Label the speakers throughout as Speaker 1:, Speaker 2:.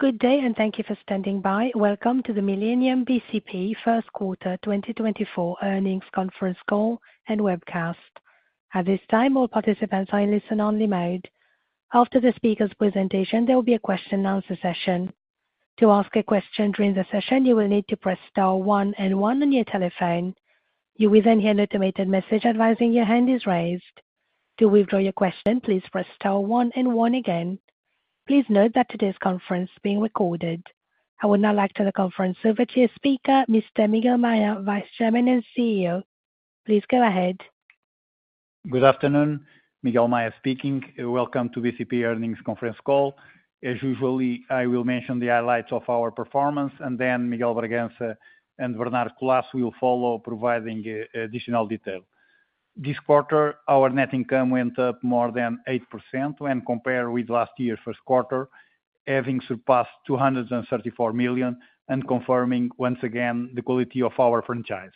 Speaker 1: Good day, and thank you for standing by. Welcome to the Millennium bcp first quarter 2024 earnings conference call and webcast. At this time, all participants are in listen only mode. After the speaker's presentation, there will be a question and answer session. To ask a question during the session, you will need to press star one and one on your telephone. You will then hear an automated message advising your hand is raised. To withdraw your question, please press star one and one again. Please note that today's conference is being recorded. I would now like to turn the conference over to your speaker, Mr. Miguel Maya, Vice Chairman and CEO. Please go ahead.
Speaker 2: Good afternoon, Miguel Maya speaking. Welcome to bcp earnings conference call. As usual, I will mention the highlights of our performance and then Miguel Bragança and Bernardo Collaço will follow, providing additional detail. This quarter, our net income went up more than 8% when compared with last year first quarter, having surpassed 234 million and confirming once again the quality of our franchise.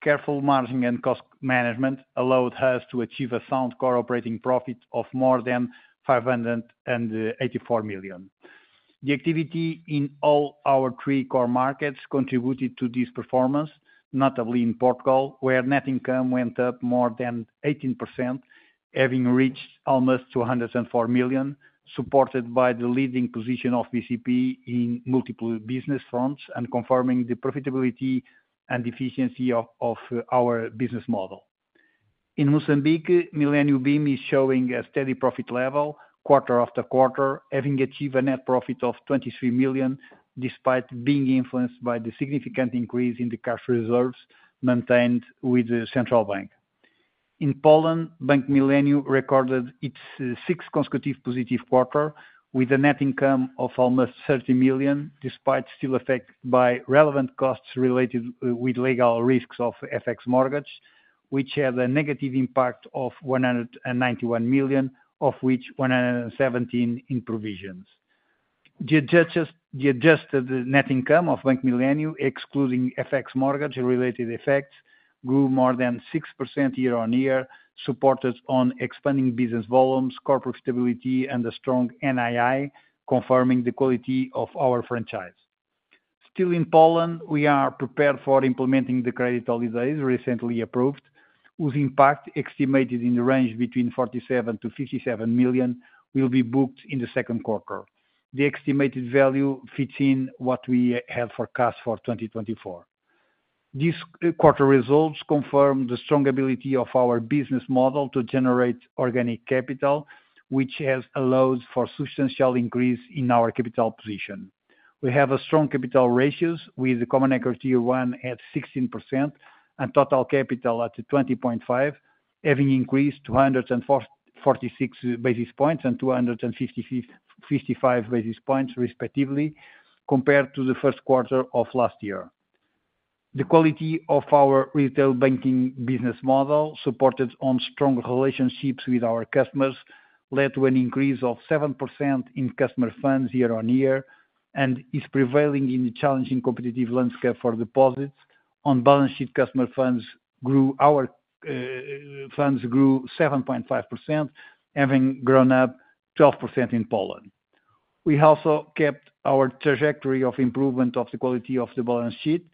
Speaker 2: Careful managing and cost management allowed us to achieve a sound core operating profit of more than 584 million. The activity in all our three core markets contributed to this performance, notably in Portugal, where net income went up more than 18%, having reached almost 204 million, supported by the leading position of bcp in multiple business fronts and confirming the profitability and efficiency of our business model. In Mozambique, Millennium bim is showing a steady profit level quarter after quarter, having achieved a net profit of 23 million, despite being influenced by the significant increase in the cash reserves maintained with the central bank. In Poland, Bank Millennium recorded its sixth consecutive positive quarter with a net income of almost 30 million, despite still affected by relevant costs related with legal risks of FX mortgage, which had a negative impact of 191 million, of which 117 million in provisions. The adjusted net income of Bank Millennium, excluding FX mortgage related effects, grew more than 6% year-on-year, supported on expanding business volumes, corporate stability and a strong NII, confirming the quality of our franchise. Still in Poland, we are prepared for implementing the credit holidays recently approved, whose impact, estimated in the range between 47-57 million, will be booked in the second quarter. The estimated value fits in what we have forecast for 2024. These quarter results confirm the strong ability of our business model to generate organic capital, which has allowed for substantial increase in our capital position. We have strong capital ratios with Common Equity Tier 1 at 16% and total capital at 20.5, having increased 246 basis points and 255 basis points, respectively, compared to the first quarter of last year. The quality of our retail banking business model, supported on strong relationships with our customers, led to an increase of 7% in customer funds year-on-year, and is prevailing in the challenging competitive landscape for deposits. On balance sheet, customer funds grew, our funds grew 7.5%, having grown up 12% in Poland. We also kept our trajectory of improvement of the quality of the balance sheet.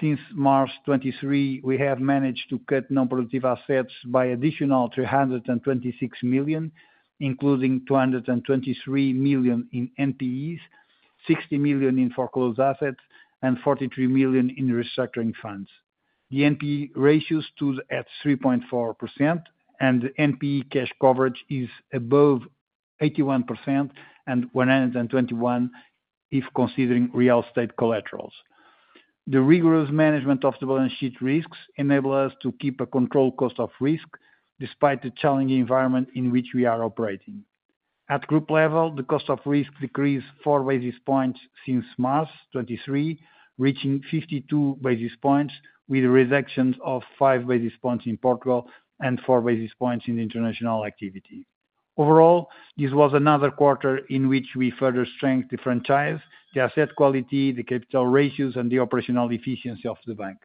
Speaker 2: Since March 2023, we have managed to cut non-productive assets by additional 326 million, including 223 million in NPEs, 60 million in foreclosed assets, and 43 million in restructuring funds. The NPE ratios stood at 3.4%, and NPE cash coverage is above 81% and 121% if considering real estate collaterals. The rigorous management of the balance sheet risks enable us to keep a controlled cost of risk, despite the challenging environment in which we are operating. At group level, the cost of risk decreased 4 basis points since March 2023, reaching 52 basis points, with reductions of 5 basis points in Portugal and 4 basis points in international activity. Overall, this was another quarter in which we further strengthened the franchise, the asset quality, the capital ratios, and the operational efficiency of the bank.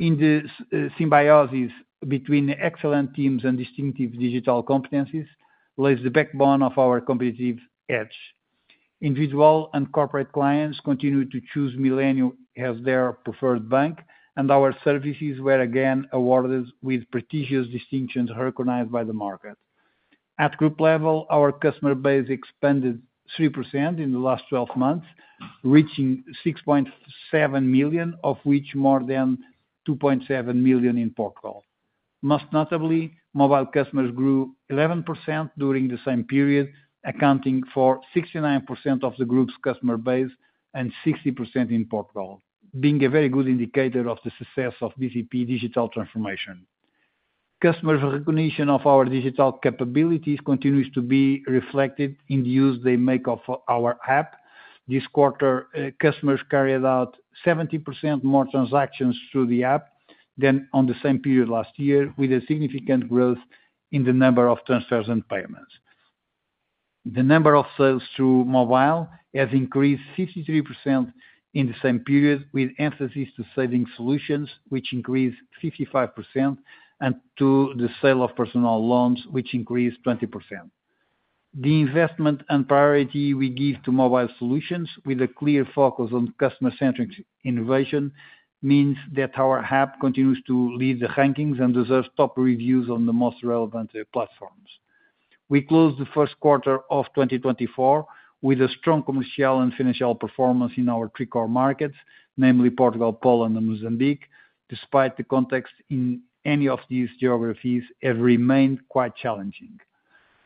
Speaker 2: In this, symbiosis between excellent teams and distinctive digital competencies, lays the backbone of our competitive edge. Individual and corporate clients continue to choose Millennium as their preferred bank, and our services were again awarded with prestigious distinctions recognized by the market. At group level, our customer base expanded 3% in the last twelve months, reaching 6.7 million, of which more than 2.7 million in Portugal. Most notably, mobile customers grew 11% during the same period, accounting for 69% of the group's customer base and 60% in Portugal, being a very good indicator of the success of bcp digital transformation. Customers' recognition of our digital capabilities continues to be reflected in the use they make of our app. This quarter, customers carried out 70% more transactions through the app than on the same period last year, with a significant growth in the number of transfers and payments. The number of sales through mobile has increased 63% in the same period, with emphasis to saving solutions, which increased 55%, and to the sale of personal loans, which increased 20%. The investment and priority we give to mobile solutions, with a clear focus on customer-centric innovation, means that our app continues to lead the rankings and deserves top reviews on the most relevant platforms. We closed the first quarter of 2024 with a strong commercial and financial performance in our three core markets, namely Portugal, Poland and Mozambique, despite the context in any of these geographies have remained quite challenging.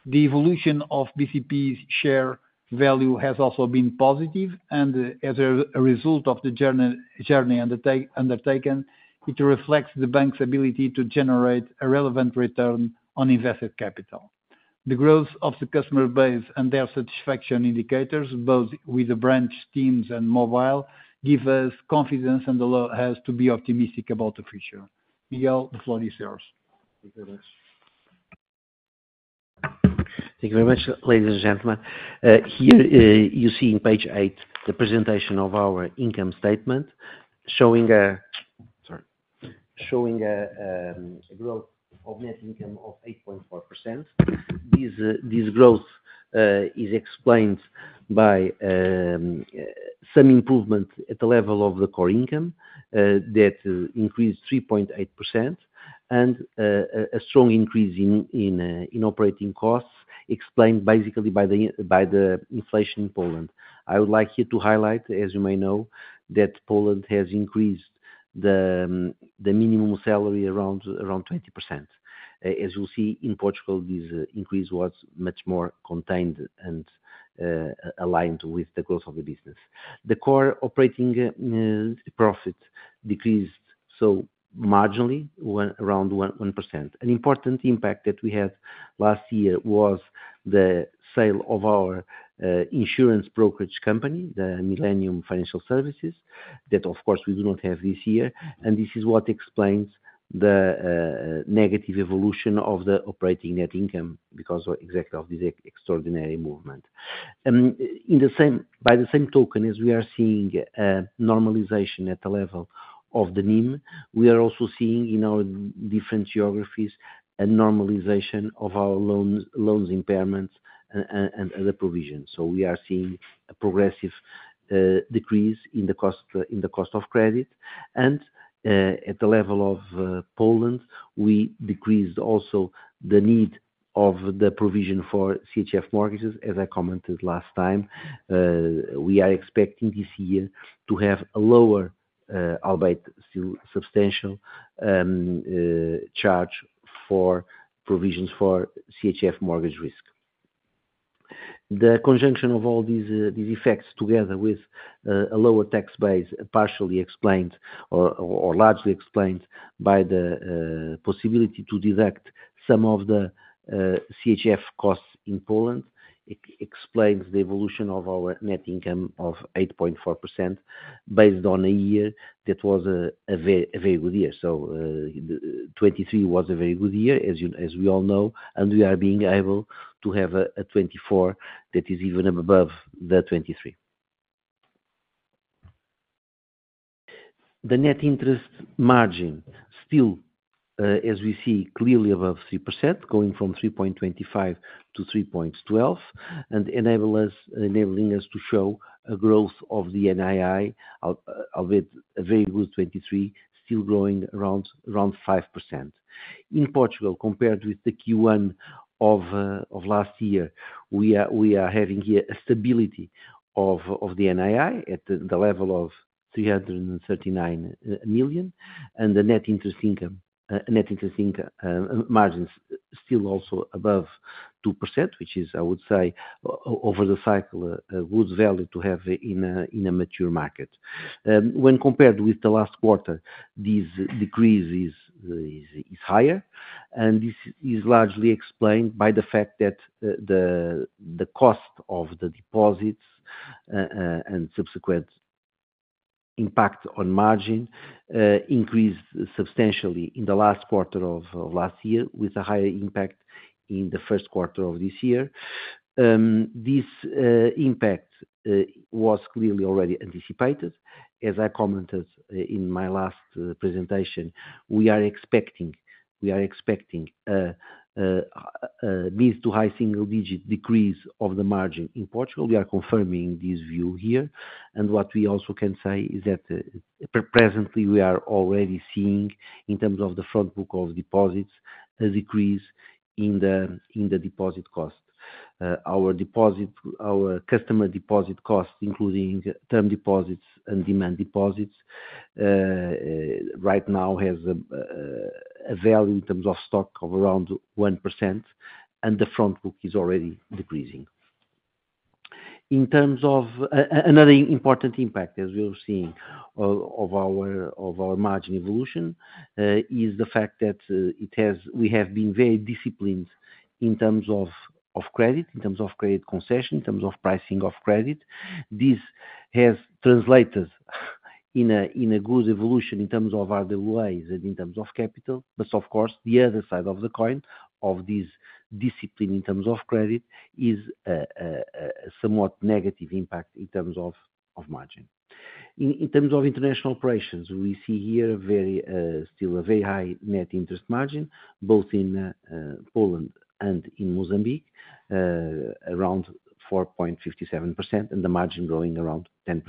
Speaker 2: The evolution of bcp's share value has also been positive, and as a result of the journey undertaken, it reflects the bank's ability to generate a relevant return on invested capital. The growth of the customer base and their satisfaction indicators, both with the branch teams and mobile, give us confidence and allow us to be optimistic about the future. Miguel, the floor is yours.
Speaker 3: Thank you very much. Thank you very much, ladies and gentlemen. Here, you see on page 8, the presentation of our income statement, showing, sorry, showing, a growth of net income of 8.4%. This, this growth, is explained by, some improvement at the level of the core income, that increased 3.8%, and, a strong increase in, in, in operating costs, explained basically by the, by the inflation in Poland. I would like here to highlight, as you may know, that Poland has increased the, the minimum salary around, around 20%. As you see in Portugal, this increase was much more contained and, aligned with the growth of the business. The core operating, profit decreased, so marginally, around 1%. An important impact that we had last year was the sale of our insurance brokerage company, the Millennium Financial Services, that of course, we do not have this year. And this is what explains the negative evolution of the operating net income, because exactly of this extraordinary movement. In the same, by the same token, as we are seeing a normalization at the level of the NIM, we are also seeing in our different geographies, a normalization of our loans, loan impairments and other provisions. So we are seeing a progressive decrease in the cost, in the cost of credit. And at the level of Poland, we decreased also the need of the provision for CHF mortgages. As I commented last time, we are expecting this year to have a lower, albeit still substantial, charge for provisions for CHF mortgage risk. The conjunction of all these effects, together with a lower tax base, partially explained, or largely explained by the possibility to deduct some of the CHF costs in Poland, explains the evolution of our net income of 8.4%, based on a year that was a very good year. So, 2023 was a very good year, as you, as we all know, and we are being able to have a 2024 that is even above the 2023. The net interest margin still, as we see, clearly above 3%, going from 3.25 to 3.12, and enabling us to show a growth of the NII of a very good 23, still growing around 5%. In Portugal, compared with the Q1 of last year, we are having here a stability of the NII at the level of 339 million, and the net interest income margins still also above 2%, which is, I would say, over the cycle, a good value to have in a mature market. When compared with the last quarter, this decrease is higher, and this is largely explained by the fact that the cost of the deposits and subsequent impact on margin increased substantially in the last quarter of last year, with a higher impact in the first quarter of this year. This impact was clearly already anticipated. As I commented in my last presentation, we are expecting a mid to high single digit decrease of the margin in Portugal. We are confirming this view here, and what we also can say is that presently, we are already seeing, in terms of the front book of deposits, a decrease in the deposit cost. Our deposit, our customer deposit costs, including term deposits and demand deposits, right now has a value in terms of stock of around 1%, and the front book is already decreasing. In terms of another important impact, as we are seeing of our margin evolution, is the fact that we have been very disciplined in terms of credit, in terms of credit concession, in terms of pricing of credit. This has translated in a good evolution in terms of other ways and in terms of capital. But of course, the other side of the coin of this discipline in terms of credit is a somewhat negative impact in terms of margin. In terms of international operations, we see here very still a very high net interest margin, both in Poland and in Mozambique, around 4.57%, and the margin growing around 10%.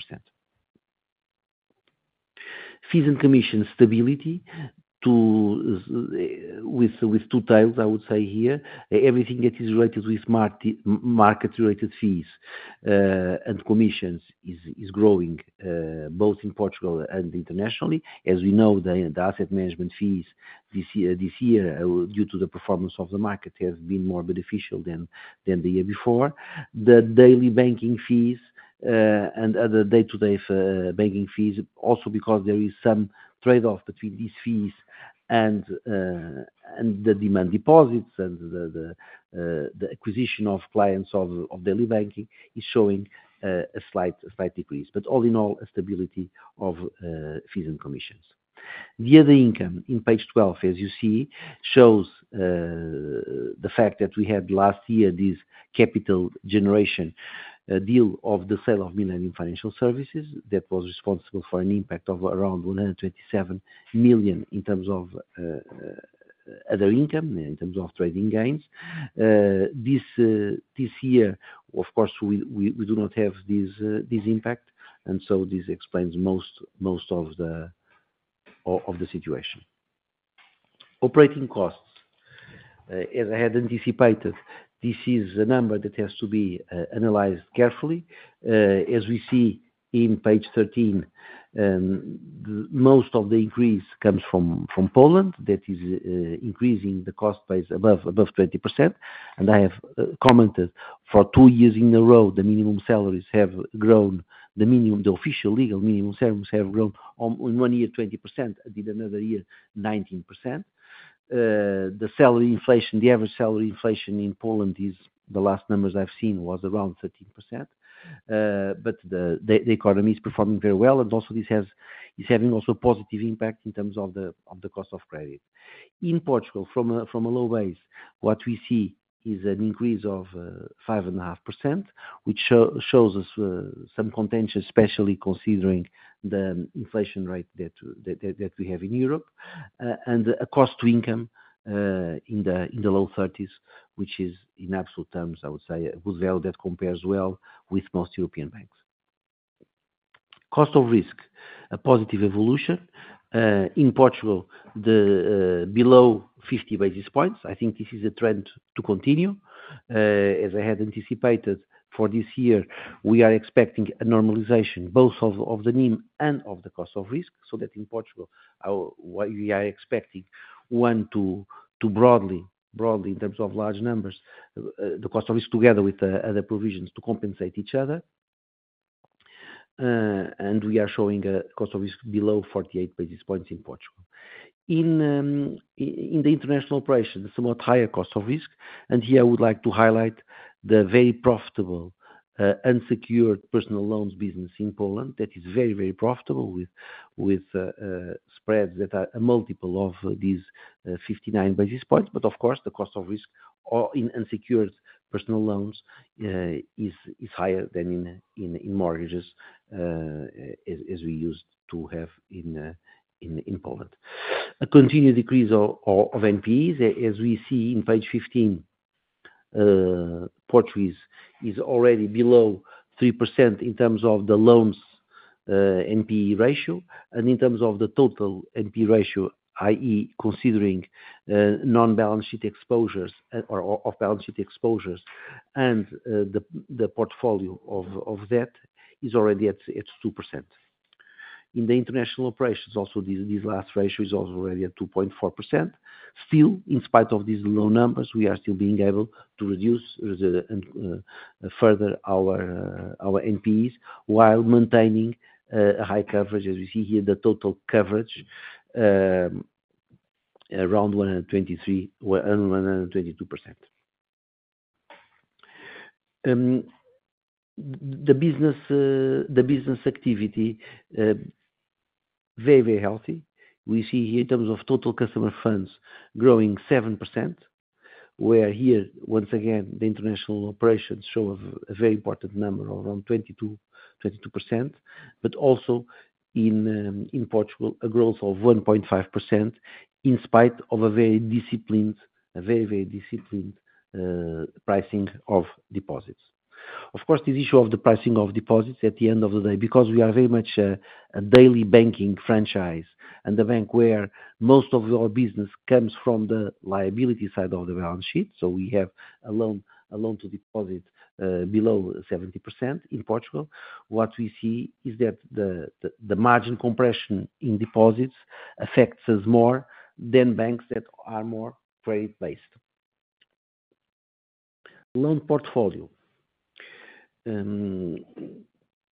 Speaker 3: Fees and commission stability too, with two tails, I would say here. Everything that is related with market-related fees and commissions is growing both in Portugal and internationally. As we know, the asset management fees this year, due to the performance of the market, has been more beneficial than the year before. The daily banking fees and other day-to-day banking fees, also because there is some trade-off between these fees and the demand deposits and the acquisition of clients of daily banking is showing a slight decrease. But all in all, a stability of fees and commissions. The other income in page 12, as you see, shows the fact that we had last year, this capital generation deal of the sale of Millennium Financial Services, that was responsible for an impact of around 127 million in terms of other income, in terms of trading gains. This year, of course, we do not have this impact, and so this explains most, most of the situation. Operating costs. As I had anticipated, this is a number that has to be analyzed carefully. As we see in page 13, most of the increase comes from Poland. That is increasing the cost base above 20%. I have commented for two years in a row, the minimum salaries have grown, the minimum, the official legal minimum salaries have grown, in one year, 20%, and in another year, 19%. The salary inflation, the average salary inflation in Poland is, the last numbers I've seen, was around 13%. But the economy is performing very well, and also this has, is having also positive impact in terms of the, of the cost of credit. In Portugal, from a low base, what we see is an increase of, 5.5%, which shows us, some contention, especially considering the inflation rate that we have in Europe. A cost to income in the low 30s%, which is in absolute terms, I would say, a good value that compares well with most European banks. Cost of risk, a positive evolution. In Portugal, the below 50 basis points. I think this is a trend to continue. As I had anticipated, for this year, we are expecting a normalization, both of the NIM and of the cost of risk. So that in Portugal, what we are expecting one to broadly in terms of large numbers, the cost of risk together with the other provisions to compensate each other. And we are showing a cost of risk below 48 basis points in Portugal. In the international operations, somewhat higher cost of risk, and here, I would like to highlight the very profitable unsecured personal loans business in Poland. That is very, very profitable with spreads that are a multiple of these 59 basis points. But of course, the cost of risk in unsecured personal loans is higher than in mortgages, as we used to have in Poland. A continued decrease of NPEs, as we see in page 15, Portuguese is already below 3% in terms of the loans NPE ratio. And in terms of the total NPE ratio, i.e., considering non-balance sheet exposures or off-balance sheet exposures, and the portfolio of that is already at 2%. In the international operations, also, the last ratio is also already at 2.4%. Still, in spite of these low numbers, we are still being able to reduce further our NPEs, while maintaining high coverage. As you see here, the total coverage around 123, well, 122%. The business activity very, very healthy. We see here, in terms of total customer funds growing 7%, where here, once again, the international operations show a very important number around 22, 22%, but also in Portugal, a growth of 1.5%, in spite of a very disciplined, a very, very disciplined pricing of deposits. Of course, this issue of the pricing of deposits at the end of the day, because we are very much a daily banking franchise and the bank where most of our business comes from the liability side of the balance sheet, so we have a loan to deposit below 70% in Portugal. What we see is that the margin compression in deposits affects us more than banks that are more credit-based. Loan portfolio. In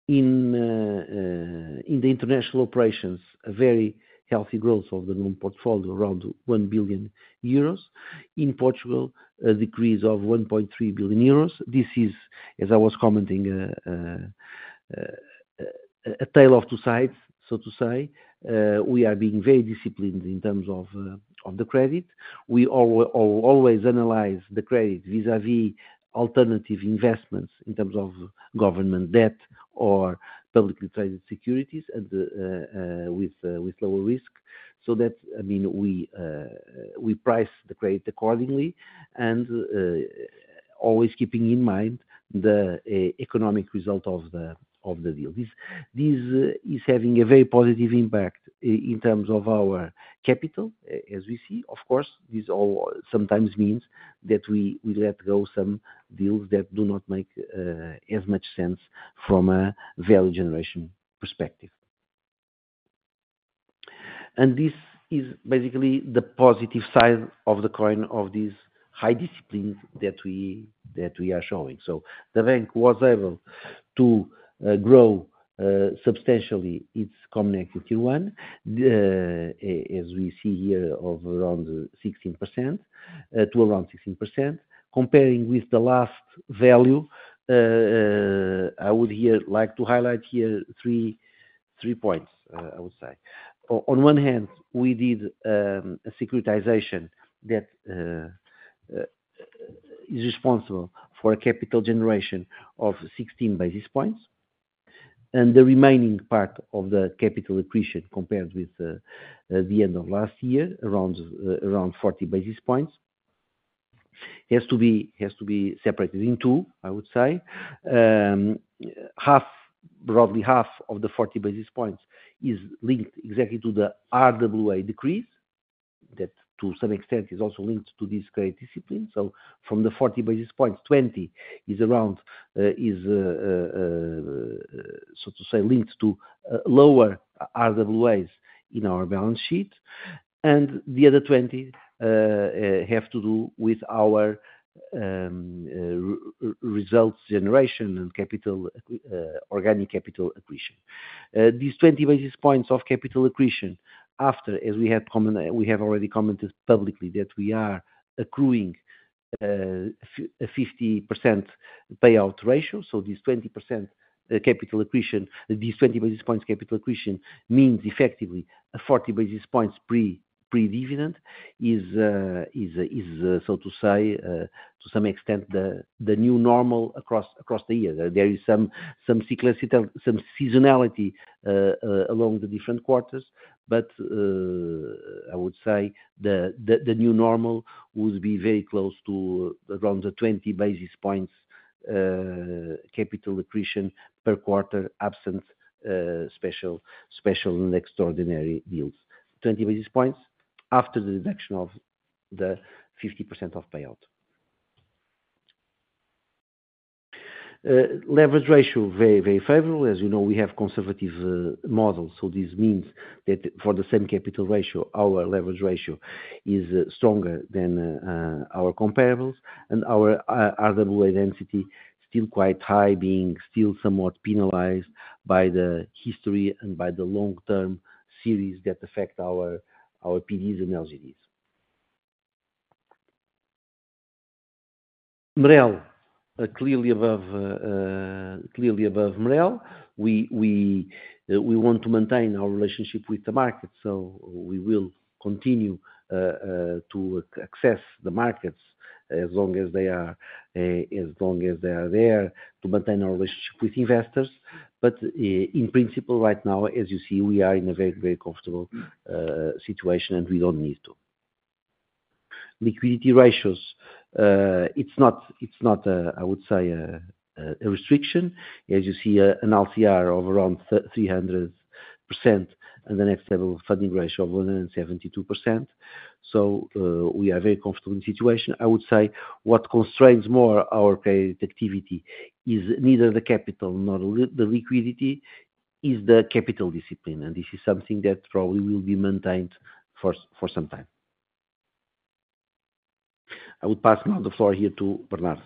Speaker 3: the international operations, a very healthy growth of the loan portfolio, around 1 billion euros. In Portugal, a decrease of 1.3 billion euros. This is, as I was commenting, a tale of two sides, so to say. We are being very disciplined in terms of the credit. We always analyze the credit vis-a-vis alternative investments in terms of government debt or publicly traded securities, and with lower risk. So that, I mean, we price the credit accordingly, and always keeping in mind the economic result of the deal. This is having a very positive impact in terms of our capital, as we see. Of course, this all sometimes means that we let go some deals that do not make as much sense from a value generation perspective. And this is basically the positive side of the coin of this high discipline that we are showing. So the bank was able to grow substantially its common equity one, as we see here, of around 16% to around 16%, comparing with the last value. I would here like to highlight here three points, I would say. On one hand, we did a securitization that is responsible for a capital generation of 16 basis points, and the remaining part of the capital accretion, compared with at the end of last year, around 40 basis points. It has to be separated in two, I would say. Roughly half of the 40 basis points is linked exactly to the RWA decrease. That, to some extent, is also linked to this credit discipline. From the 40 basis points, 20 is around, so to say, linked to lower RWAs in our balance sheet, and the other 20 have to do with our results generation and capital organic capital accretion. These 20 basis points of capital accretion, after, as we have already commented publicly, that we are accruing a 50% payout ratio. So this 20% capital accretion, these 20 basis points capital accretion, means effectively a 40 basis points pre-dividend, is, so to say, to some extent, the new normal across the year. There is some cyclical, some seasonality along the different quarters, but I would say the new normal would be very close to around the 20 basis points capital accretion per quarter, absence special and extraordinary deals. 20 basis points after the deduction of the 50% of payout. Leverage ratio, very favorable. As you know, we have conservative models, so this means that for the same capital ratio, our leverage ratio is stronger than our comparables, and our RWA density still quite high, being still somewhat penalized by the history and by the long-term series that affect our PDs and LGDs. MREL are clearly above clearly above MREL. We want to maintain our relationship with the market, so we will continue to access the markets as long as they are there, to maintain our relationship with investors. But in principle, right now, as you see, we are in a very comfortable situation, and we don't need to. Liquidity ratios, it's not, I would say, a restriction. As you see, an LCR of around 300% and the Net Stable Funding Ratio of 172%. So, we are very comfortable in situation. I would say what constrains more our credit activity is neither the capital nor the liquidity, is the capital discipline, and this is something that probably will be maintained for some time. I will pass now the floor here to Bernardo.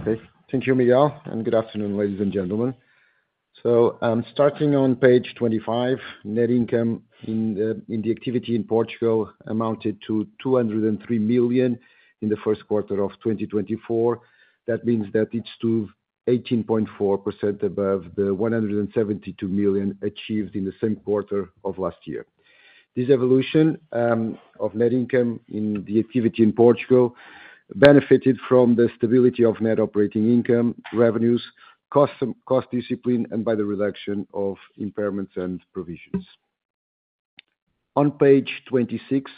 Speaker 4: Okay. Thank you, Miguel, and good afternoon, ladies and gentlemen. Starting on page 25, net income in the, in the activity in Portugal amounted to 203 million in the first quarter of 2024. That means that it's 18.4% above the 172 million achieved in the same quarter of last year. This evolution of net income in the activity in Portugal benefited from the stability of net operating income, revenues, cost, cost discipline, and by the reduction of impairments and provisions. On page 26,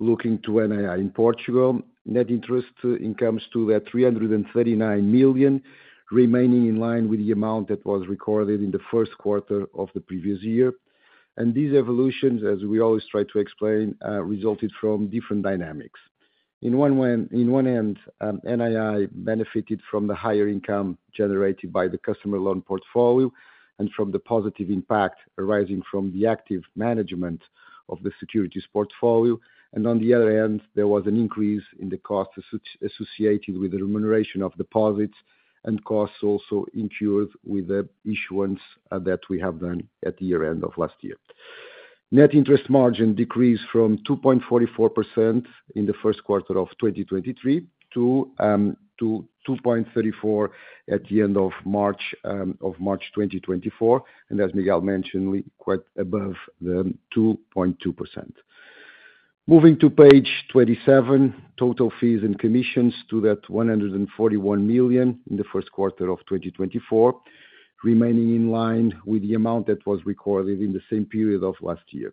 Speaker 4: looking to NII. In Portugal, net interest income to the 339 million, remaining in line with the amount that was recorded in the first quarter of the previous year. And these evolutions, as we always try to explain, resulted from different dynamics. In one way, in one end, NII benefited from the higher income generated by the customer loan portfolio, and from the positive impact arising from the active management of the securities portfolio. And on the other end, there was an increase in the cost associated with the remuneration of deposits and costs also incurred with the issuance, that we have done at the year end of last year. Net interest margin decreased from 2.44% in the first quarter of 2023 to two point thirty-four at the end of March of March 2024, and as Miguel mentioned, we quite above the 2.2%. Moving to page 27, total fees and commissions to 141 million in the first quarter of 2024, remaining in line with the amount that was recorded in the same period of last year.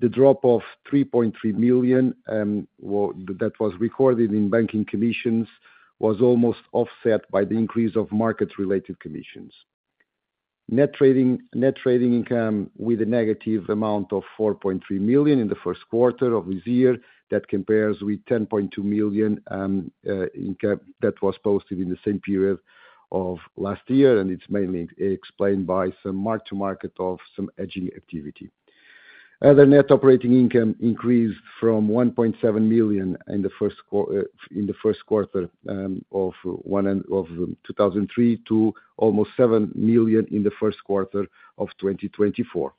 Speaker 4: The drop of 3.3 million, that was recorded in banking commissions, was almost offset by the increase of market-related commissions. Net trading, net trading income with a negative amount of 4.3 million in the first quarter of this year, that compares with 10.2 million, income that was posted in the same period of last year, and it's mainly explained by some mark to market of some hedging activity. Other net operating income increased from 1.7 million in the first quarter end of 2003 to almost 7 million in the first quarter of 2024.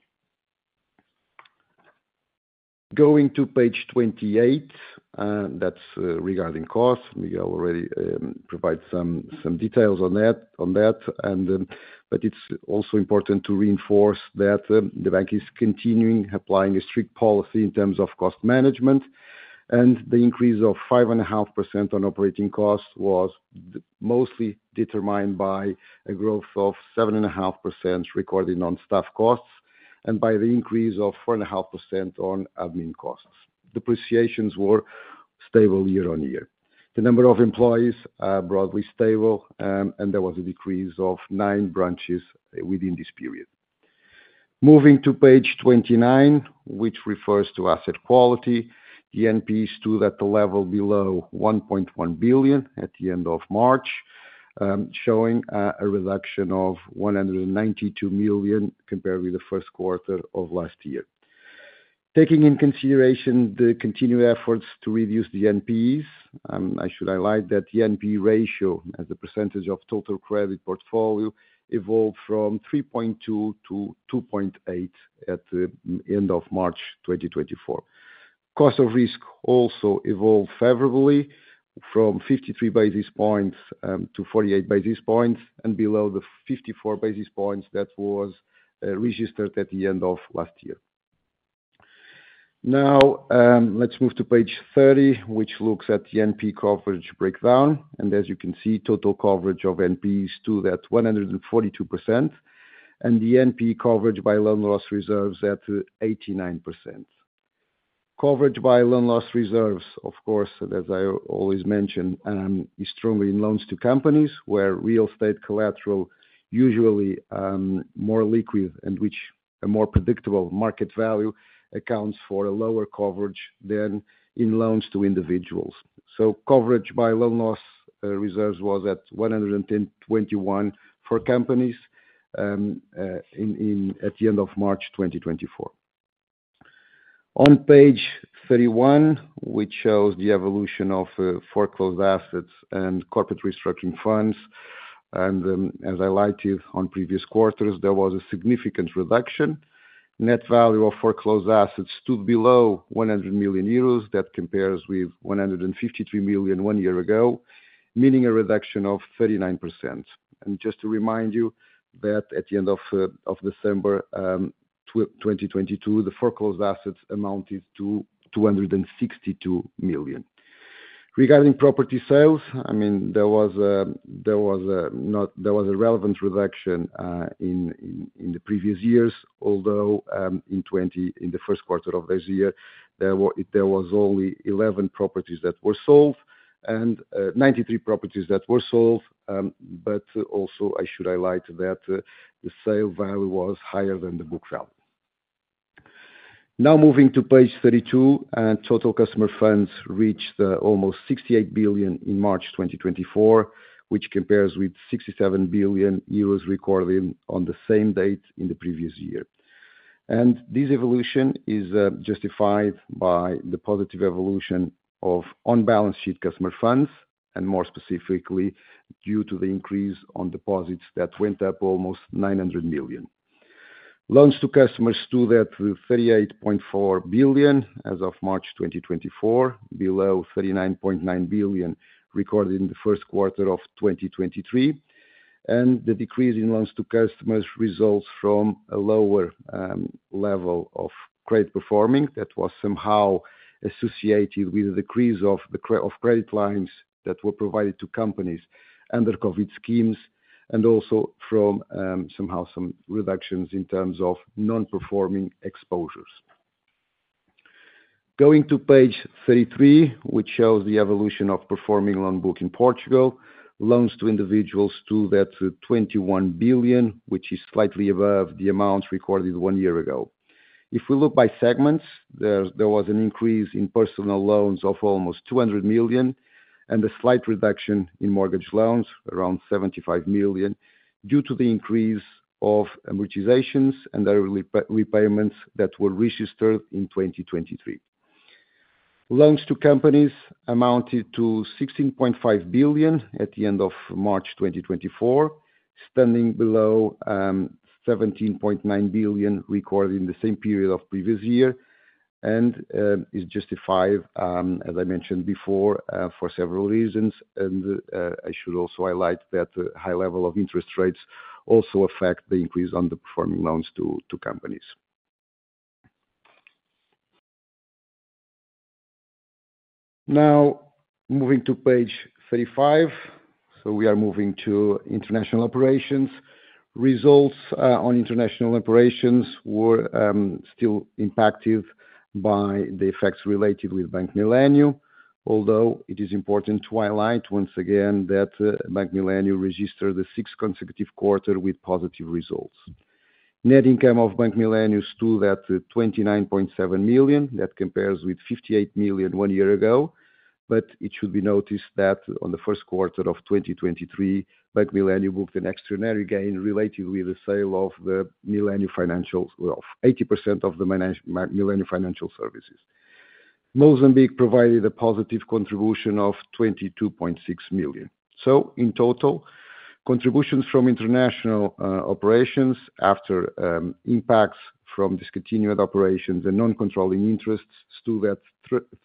Speaker 4: Going to page 28, that's regarding costs. Miguel already provided some details on that, but it's also important to reinforce that the bank is continuing applying a strict policy in terms of cost management. The increase of 5.5% on operating costs was mostly determined by a growth of 7.5% recorded on staff costs, and by the increase of 4.5% on admin costs. Depreciations were stable year-on-year. The number of employees are broadly stable, and there was a decrease of nine branches within this period. Moving to page 29, which refers to asset quality, the NPE stood at the level below 1.1 billion at the end of March, showing a reduction of 192 million compared with the first quarter of last year. Taking into consideration the continued efforts to reduce the NPEs, I should highlight that the NPE ratio, as a percentage of total credit portfolio, evolved from 3.2% to 2.8% at the end of March 2024. Cost of risk also evolved favorably from 53 basis points to 48 basis points, and below the 54 basis points that was registered at the end of last year. Now, let's move to page 30, which looks at the NPE coverage breakdown. As you can see, total coverage of NPEs stood at 142%, and the NPE coverage by loan loss reserves at 89%. Coverage by loan loss reserves, of course, as I always mention, is strongly in loans to companies where real estate collateral usually more liquid and which a more predictable market value accounts for a lower coverage than in loans to individuals. So coverage by loan loss reserves was at 121 for companies at the end of March 2024. On page 31, which shows the evolution of foreclosed assets and corporate restructuring funds, and as I highlighted on previous quarters, there was a significant reduction. Net value of foreclosed assets stood below 100 million euros. That compares with 153 million one year ago, meaning a reduction of 39%. Just to remind you that at the end of December 2022, the foreclosed assets amounted to 262 million. Regarding property sales, I mean, there was a relevant reduction in the previous years, although in the first quarter of this year, there was only 11 properties that were sold and 93 properties that were sold. But also, I should highlight that the sale value was higher than the book value. Now, moving to page 32, total customer funds reached almost 68 billion in March 2024, which compares with 67 billion euros recorded on the same date in the previous year. This evolution is justified by the positive evolution of on-balance sheet customer funds, and more specifically, due to the increase on deposits that went up almost 900 million. Loans to customers stood at 38.4 billion as of March 2024, below 39.9 billion recorded in the first quarter of 2023. The decrease in loans to customers results from a lower level of credit performing that was somehow associated with a decrease of credit lines that were provided to companies under COVID schemes, and also from somehow some reductions in terms of non-performing exposures. Going to page 33, which shows the evolution of performing loan book in Portugal. Loans to individuals stood at 21 billion, which is slightly above the amount recorded one year ago. If we look by segments, there was an increase in personal loans of almost 200 million, and a slight reduction in mortgage loans, around 75 million, due to the increase of amortizations and early repayments that were registered in 2023. Loans to companies amounted to 16.5 billion at the end of March 2024, standing below seventeen point nine billion recorded in the same period of previous year, and is justified, as I mentioned before, for several reasons. I should also highlight that high level of interest rates also affect the increase on the performing loans to companies. Now, moving to page 35, we are moving to international operations. Results on international operations were still impacted by the effects related with Bank Millennium. Although it is important to highlight once again, that, Bank Millennium registered the sixth consecutive quarter with positive results. Net income of Bank Millennium stood at 29.7 million. That compares with 58 million one year ago. But it should be noticed that on the first quarter of 2023, Bank Millennium booked an extraordinary gain related with the sale of the Millennium Financial, 80% of the Millennium Financial Services. Mozambique provided a positive contribution of 22.6 million. So in total, contributions from international, operations after, impacts from discontinued operations and non-controlling interests stood at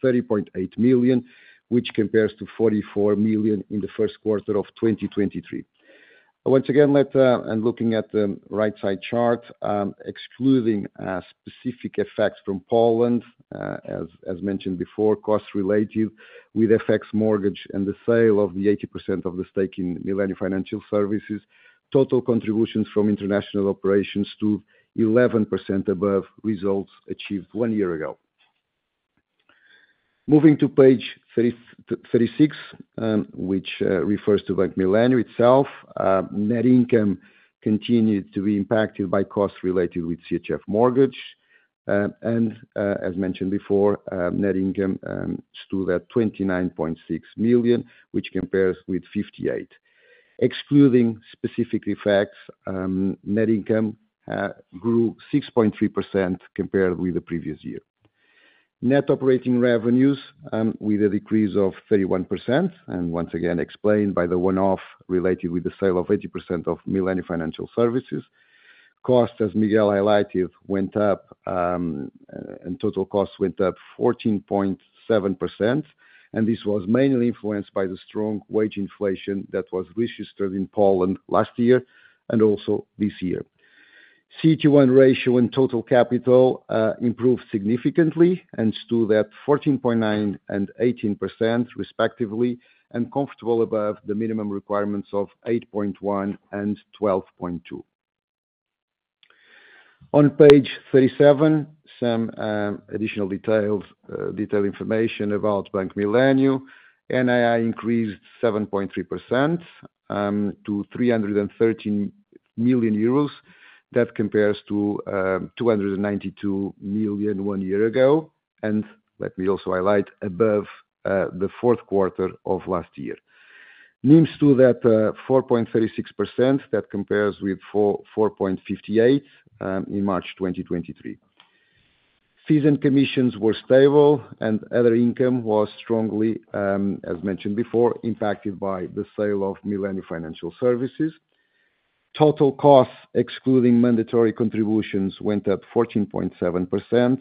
Speaker 4: 30.8 million, which compares to 44 million in the first quarter of 2023. Once again, and looking at the right side chart, excluding specific effects from Poland, as mentioned before, costs related with FX mortgage and the sale of the 80% of the stake in Millennium Financial Services, total contributions from international operations to 11% above results achieved one year ago. Moving to page 36, which refers to Bank Millennium itself, net income continued to be impacted by costs related with CHF mortgage. And, as mentioned before, net income stood at 29.6 million, which compares with 58. Excluding specific effects, net income grew 6.3% compared with the previous year. Net operating revenues with a decrease of 31%, and once again explained by the one-off related with the sale of 80% of Millennium Financial Services. Costs, as Miguel highlighted, went up, and total costs went up 14.7%, and this was mainly influenced by the strong wage inflation that was registered in Poland last year, and also this year. CET1 ratio and total capital improved significantly and stood at 14.9% and 18% respectively, and comfortable above the minimum requirements of 8.1% and 12.2%. On page 37, some additional details, detailed information about Bank Millennium. NII increased 7.3%, to 313 million euros. That compares to 292 million one year ago, and let me also highlight, above the fourth quarter of last year. NIMS to that, 4.36%, that compares with 4.58% in March 2023. Fees and commissions were stable, and other income was strongly, as mentioned before, impacted by the sale of Millennium Financial Services. Total costs, excluding mandatory contributions, went up 14.7%,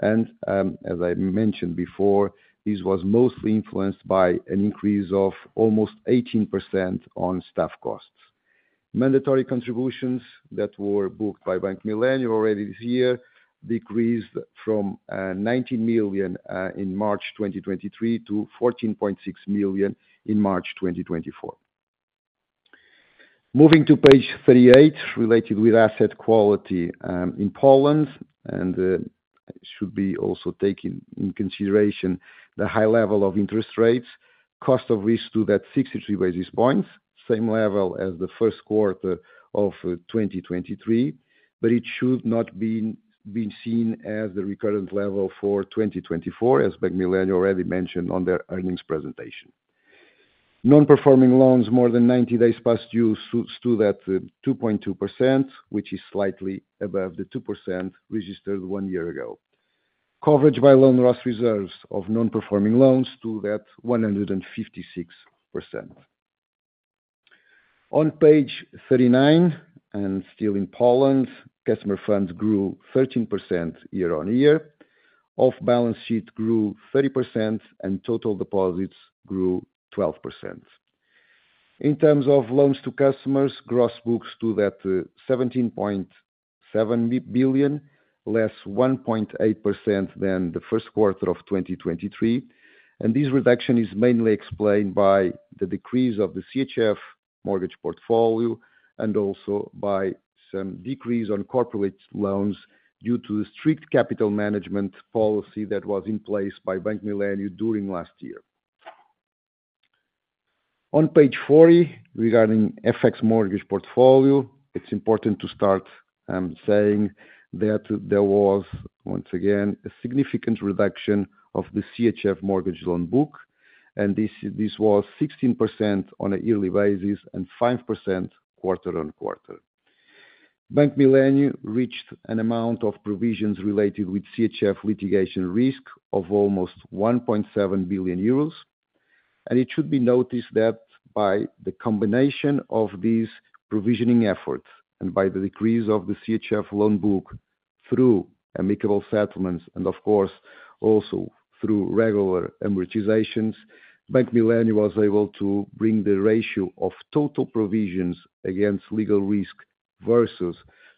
Speaker 4: and, as I mentioned before, this was mostly influenced by an increase of almost 18% on staff costs. Mandatory contributions that were booked by Bank Millennium already this year, decreased from 19 million in March 2023 to 14.6 million in March 2024. Moving to page 38, related with asset quality, in Poland, and should be also taken in consideration, the high level of interest rates, cost of risk to that 63 basis points, same level as the first quarter of 2023, but it should not be seen as the recurrent level for 2024, as Bank Millennium already mentioned on their earnings presentation. Non-performing loans, more than 90 days past due, stood at 2.2%, which is slightly above the 2% registered one year ago. Coverage by loan loss reserves of non-performing loans stood at 156%. On page 39, and still in Poland, customer funds grew 13% year-on-year, off-balance sheet grew 30%, and total deposits grew 12%. In terms of loans to customers, gross books stood at 17.7 billion, less 1.8% than the first quarter of 2023. And this reduction is mainly explained by the decrease of the CHF mortgage portfolio, and also by some decrease on corporate loans due to the strict capital management policy that was in place by Bank Millennium during last year. On page 40, regarding FX mortgage portfolio, it's important to start saying that there was, once again, a significant reduction of the CHF mortgage loan book, and this was 16% on a yearly basis and 5% quarter-on-quarter. Bank Millennium reached an amount of provisions related with CHF litigation risk of almost 1.7 billion euros. It should be noticed that by the combination of these provisioning efforts, and by the decrease of the CHF loan book through amicable settlements. And of course, also through regular amortizations, Bank Millennium was able to bring the ratio of total provisions against legal risk versus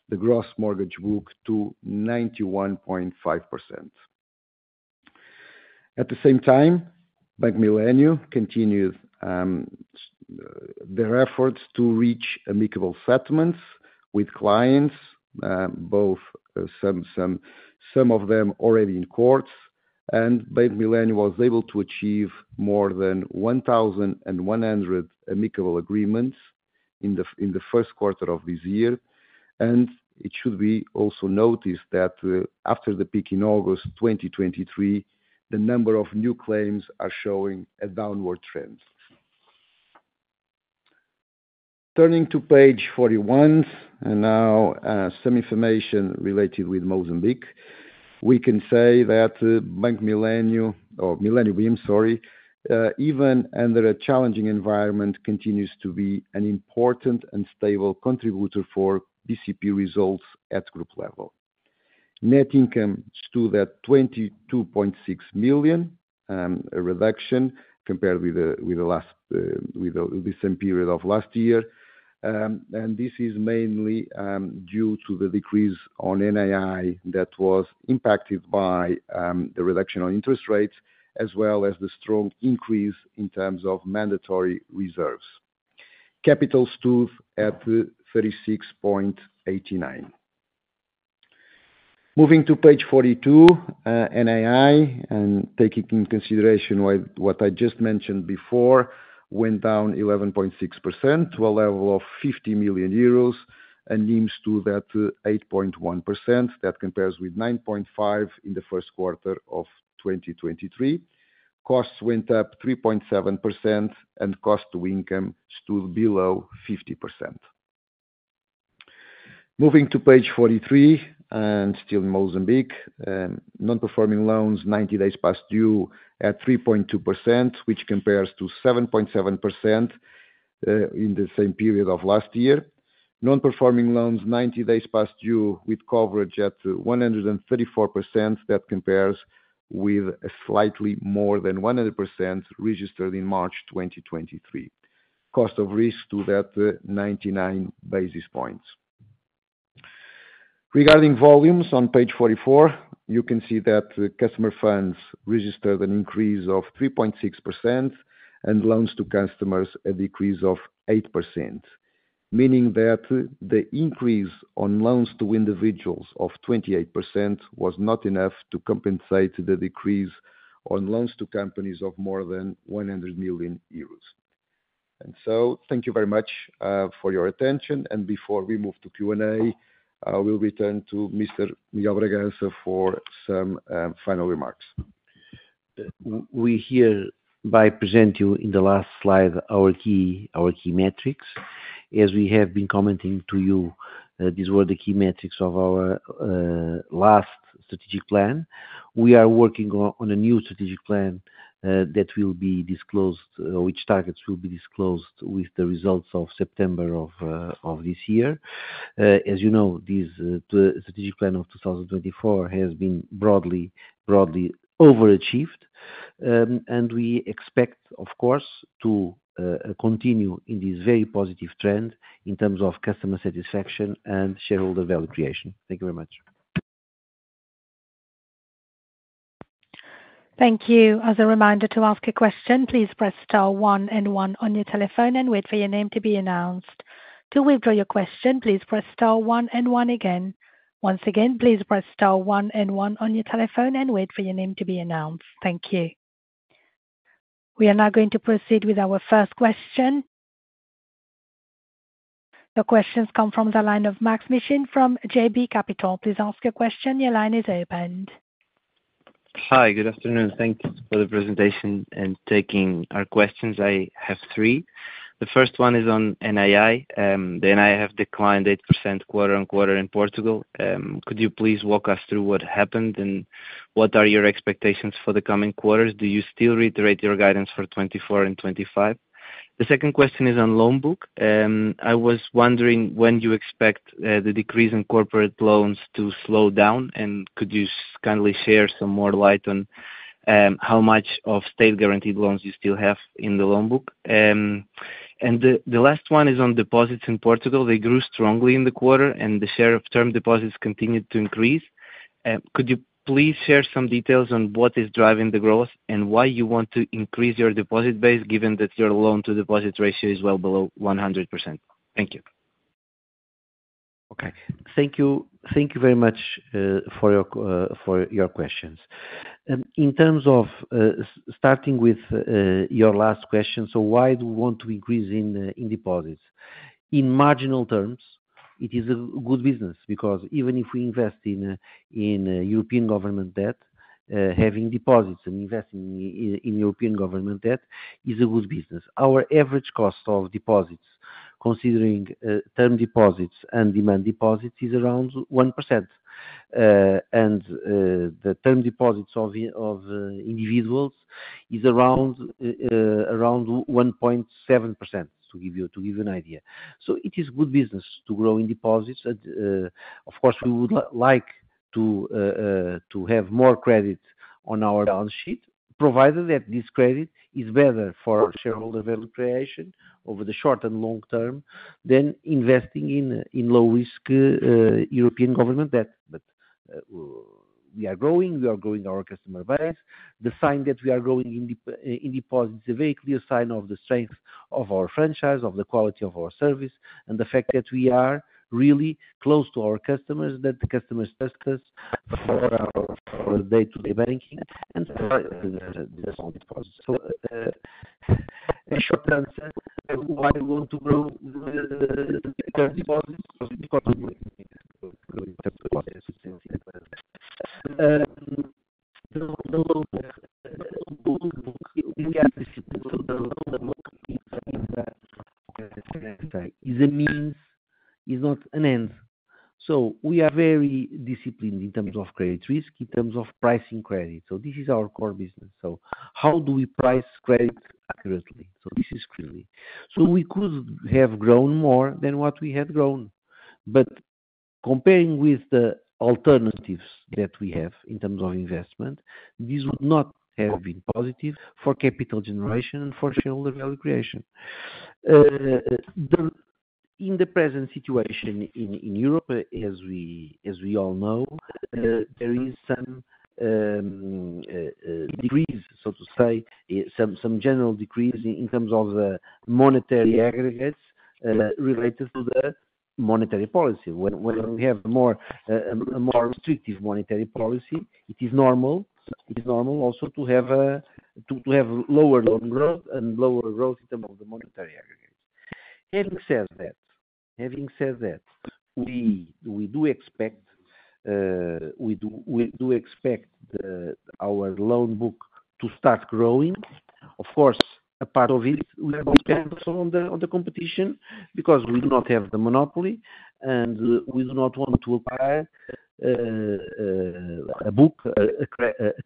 Speaker 4: the gross mortgage book to 91.5%. At the same time, Bank Millennium continued their efforts to reach amicable settlements with clients, both some of them already in courts, and Bank Millennium was able to achieve more than 1,100 amicable agreements in the first quarter of this year. It should be also noticed that after the peak in August 2023, the number of new claims are showing a downward trend. Turning to page 41, now some information related with Mozambique. We can say that Bank Millennium or Millennium bim, sorry, even under a challenging environment, continues to be an important and stable contributor for bcp results at group level. Net income stood at 22.6 million, a reduction compared with the last, with the same period of last year. And this is mainly due to the decrease on NII that was impacted by the reduction on interest rates, as well as the strong increase in terms of mandatory reserves. Capital stood at 36.89. Moving to page 42, NII, and taking in consideration what I just mentioned before, went down 11.6% to a level of 50 million euros, and NIMs stood at 8.1%. That compares with 9.5% in the first quarter of 2023. Costs went up 3.7%, and cost to income stood below 50%. Moving to page 43, and still in Mozambique, non-performing loans, ninety days past due at 3.2%, which compares to 7.7% in the same period of last year. Non-performing loans 90 days past due, with coverage at 134%. That compares with slightly more than 100% registered in March 2023. Cost of risk stood at 99 basis points. Regarding volumes, on page 44, you can see that customer funds registered an increase of 3.6%, and loans to customers, a decrease of 8%, meaning that the increase on loans to individuals of 28% was not enough to compensate the decrease on loans to companies of more than 100 million euros. And so thank you very much for your attention. And before we move to Q&A, I will return to Mr. Miguel Bragança for some final remarks.
Speaker 3: We hereby present you in the last slide our key metrics. As we have been commenting to you, these were the key metrics of our last strategic plan. We are working on a new strategic plan that will be disclosed, which targets will be disclosed with the results of September of this year. As you know, this strategic plan of 2024 has been broadly overachieved. And we expect, of course, to continue in this very positive trend in terms of customer satisfaction and shareholder value creation. Thank you very much.
Speaker 1: Thank you. As a reminder, to ask a question, please press star one and one on your telephone and wait for your name to be announced. To withdraw your question, please press star one and one again. Once again, please press star one and one on your telephone and wait for your name to be announced. Thank you. We are now going to proceed with our first question. The question comes from the line of Maksym Mishyn from JB Capital. Please ask your question. Your line is open.
Speaker 5: Hi. Good afternoon. Thank you for the presentation and taking our questions. I have three. The first one is on NII. The NII have declined 8% quarter-on-quarter in Portugal. Could you please walk us through what happened, and what are your expectations for the coming quarters? Do you still reiterate your guidance for 2024 and 2025? The second question is on loan book. I was wondering when you expect the decrease in corporate loans to slow down, and could you kindly shed some more light on how much of state-guaranteed loans you still have in the loan book? And the last one is on deposits in Portugal. They grew strongly in the quarter, and the share of term deposits continued to increase. Could you please share some details on what is driving the growth, and why you want to increase your deposit base, given that your loan to deposit ratio is well below 100%? Thank you.
Speaker 3: Okay. Thank you. Thank you very much for your questions. In terms of starting with your last question, so why do we want to increase in deposits? In marginal terms, it is a good business, because even if we invest in European government debt, having deposits and investing in European government debt is a good business. Our average cost of deposits, considering term deposits and demand deposits, is around 1%. And the term deposits of individuals is around 1.7%, to give you an idea. So it is good business to grow in deposits. Of course, we would like to have more credit on our balance sheet, provided that this credit is better for shareholder value creation over the short and long term, than investing in low risk European government debt. We are growing our customer base. The sign that we are growing in deposits is a very clear sign of the strength of our franchise, of the quality of our service, and the fact that we are really close to our customers, that the customers trust us for our day-to-day banking and for deposit. In short answer, I want to grow term deposits, because deposits is a means, is not an end. We are very disciplined in terms of credit risk, in terms of pricing credit. So this is our core business. So how do we price credit accurately? So this is clearly. So we could have grown more than what we had grown, but comparing with the alternatives that we have in terms of investment, this would not have been positive for capital generation and for shareholder value creation. In the present situation in Europe, as we all know, there is some decrease, so to say, some general decrease in terms of monetary aggregates related to the monetary policy. When we have more a more restrictive monetary policy, it is normal, it's normal also to have a to have lower loan growth and lower growth in terms of the monetary aggregates. Having said that, having said that, we do expect our loan book to start growing. Of course, a part of it, we are going to focus on the competition, because we do not have the monopoly, and we do not want to acquire a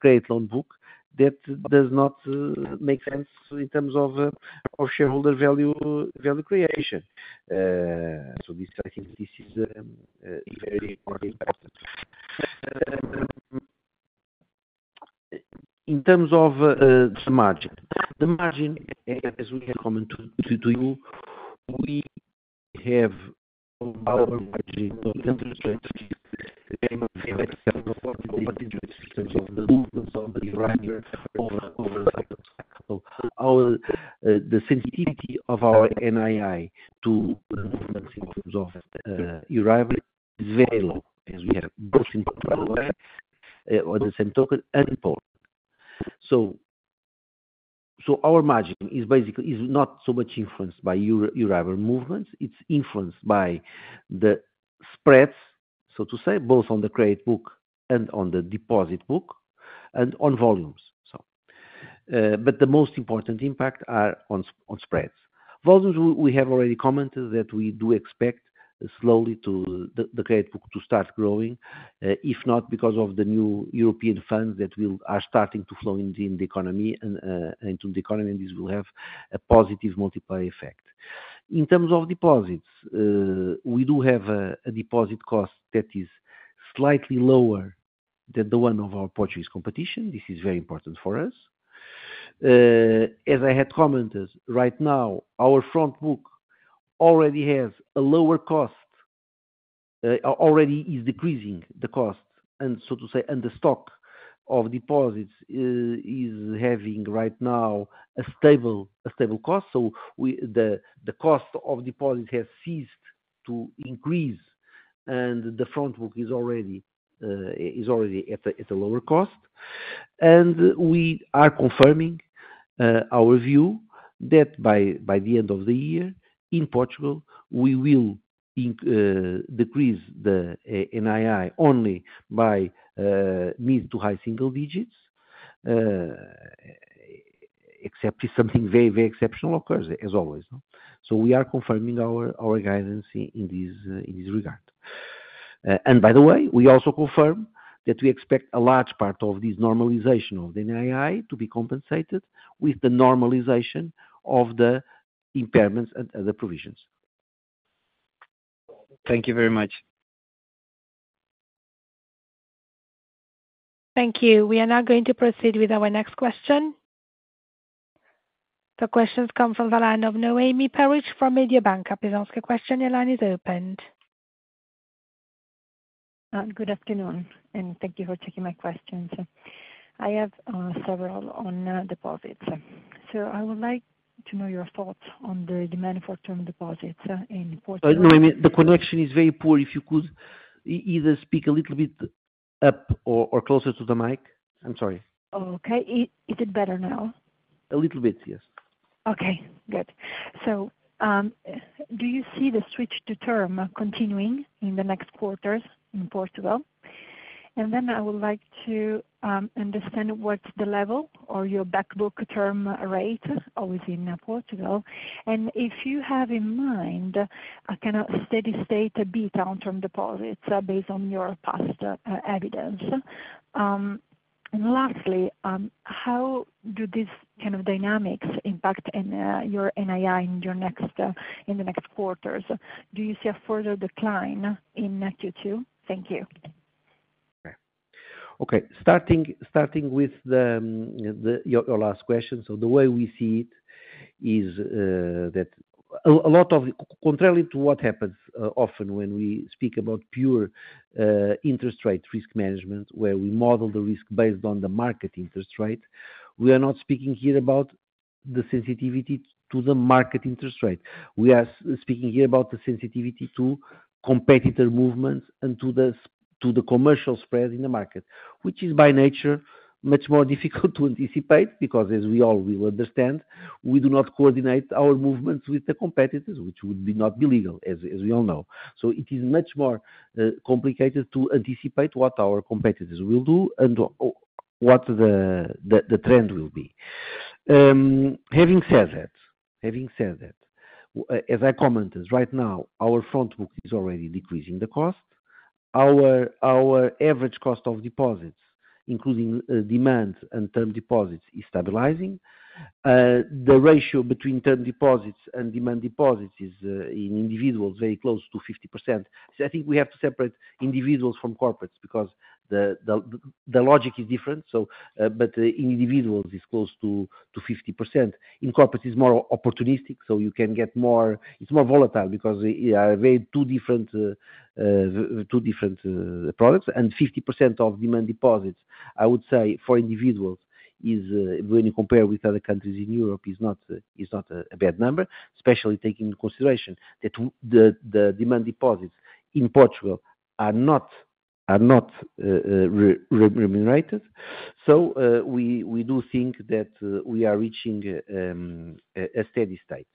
Speaker 3: credit loan book that does not make sense in terms of shareholder value creation. So this, I think this is very important. In terms of the margin. The margin, as we have commented to you, we have our margin, in terms of movements of the driver over the cycle. So our the sensitivity of our NII to, in terms of Euribor, is very low, as we have both in, on the same token, and port. So, our margin is basically not so much influenced by Euribor movements, it's influenced by the spreads, so to say, both on the credit book and on the deposit book, and on volumes, so. But the most important impact are on spreads. Volumes, we have already commented that we do expect slowly to the credit book to start growing, if not because of the new European funds that are starting to flow into the economy and into the economy, and this will have a positive multiplier effect. In terms of deposits, we do have a deposit cost that is slightly lower than the one of our Portuguese competition. This is very important for us. As I had commented, right now, our front book already has a lower cost, already is decreasing the cost, and so to say, and the stock of deposits is having right now a stable, a stable cost. So we, the, the cost of deposits has ceased to increase, and the front book is already, is already at a, at a lower cost. And we are confirming our view that by, by the end of the year, in Portugal, we will decrease the NII only by mid to high single digits, except if something very, very exceptional occurs, as always, no? So we are confirming our, our guidance in this, in this regard. And by the way, we also confirm that we expect a large part of this normalization of the NII to be compensated with the normalization of the impairments and the provisions.
Speaker 5: Thank you very much.
Speaker 1: Thank you. We are now going to proceed with our next question. The question comes from the line of Noemi Peruch, from Mediobanca. Please ask your question, your line is open.
Speaker 6: Good afternoon, and thank you for taking my questions. I have several on deposits. So I would like to know your thoughts on the demand for term deposits in Portugal.
Speaker 3: Noemi, the connection is very poor. If you could either speak a little bit up or closer to the mic. I'm sorry.
Speaker 6: Okay. Is it better now?
Speaker 3: A little bit, yes.
Speaker 6: Okay, good. So, do you see the switch to term continuing in the next quarters in Portugal? And then I would like to understand what's the level of your back book term rate, always in Portugal. And if you have in mind, a kind of steady state, a breakdown of term deposits based on your past evidence. And lastly, how do these kind of dynamics impact on your NII in the next quarters? Do you see a further decline in Q2? Thank you.
Speaker 3: Okay. Starting with your last question. So the way we see it is that contrary to what happens often when we speak about pure interest rate risk management, where we model the risk based on the market interest rate, we are not speaking here about the sensitivity to the market interest rate. We are speaking here about the sensitivity to competitor movements and to the commercial spread in the market, which is by nature much more difficult to anticipate, because as we all will understand, we do not coordinate our movements with the competitors, which would not be legal, as we all know. So it is much more complicated to anticipate what our competitors will do and what the trend will be. Having said that, as I commented, right now, our front book is already decreasing the cost. Our average cost of deposits, including demand and term deposits, is stabilizing. The ratio between term deposits and demand deposits is, in individuals, very close to 50%. So I think we have to separate individuals from corporates because the logic is different. So, but individuals is close to 50%. In corporate is more opportunistic, so you can get more—it's more volatile because, yeah, they are two different products, and 50% of demand deposits, I would say, for individuals is, when you compare with other countries in Europe, not a bad number. Especially taking into consideration that the demand deposits in Portugal are not remunerated. So, we do think that we are reaching a steady state.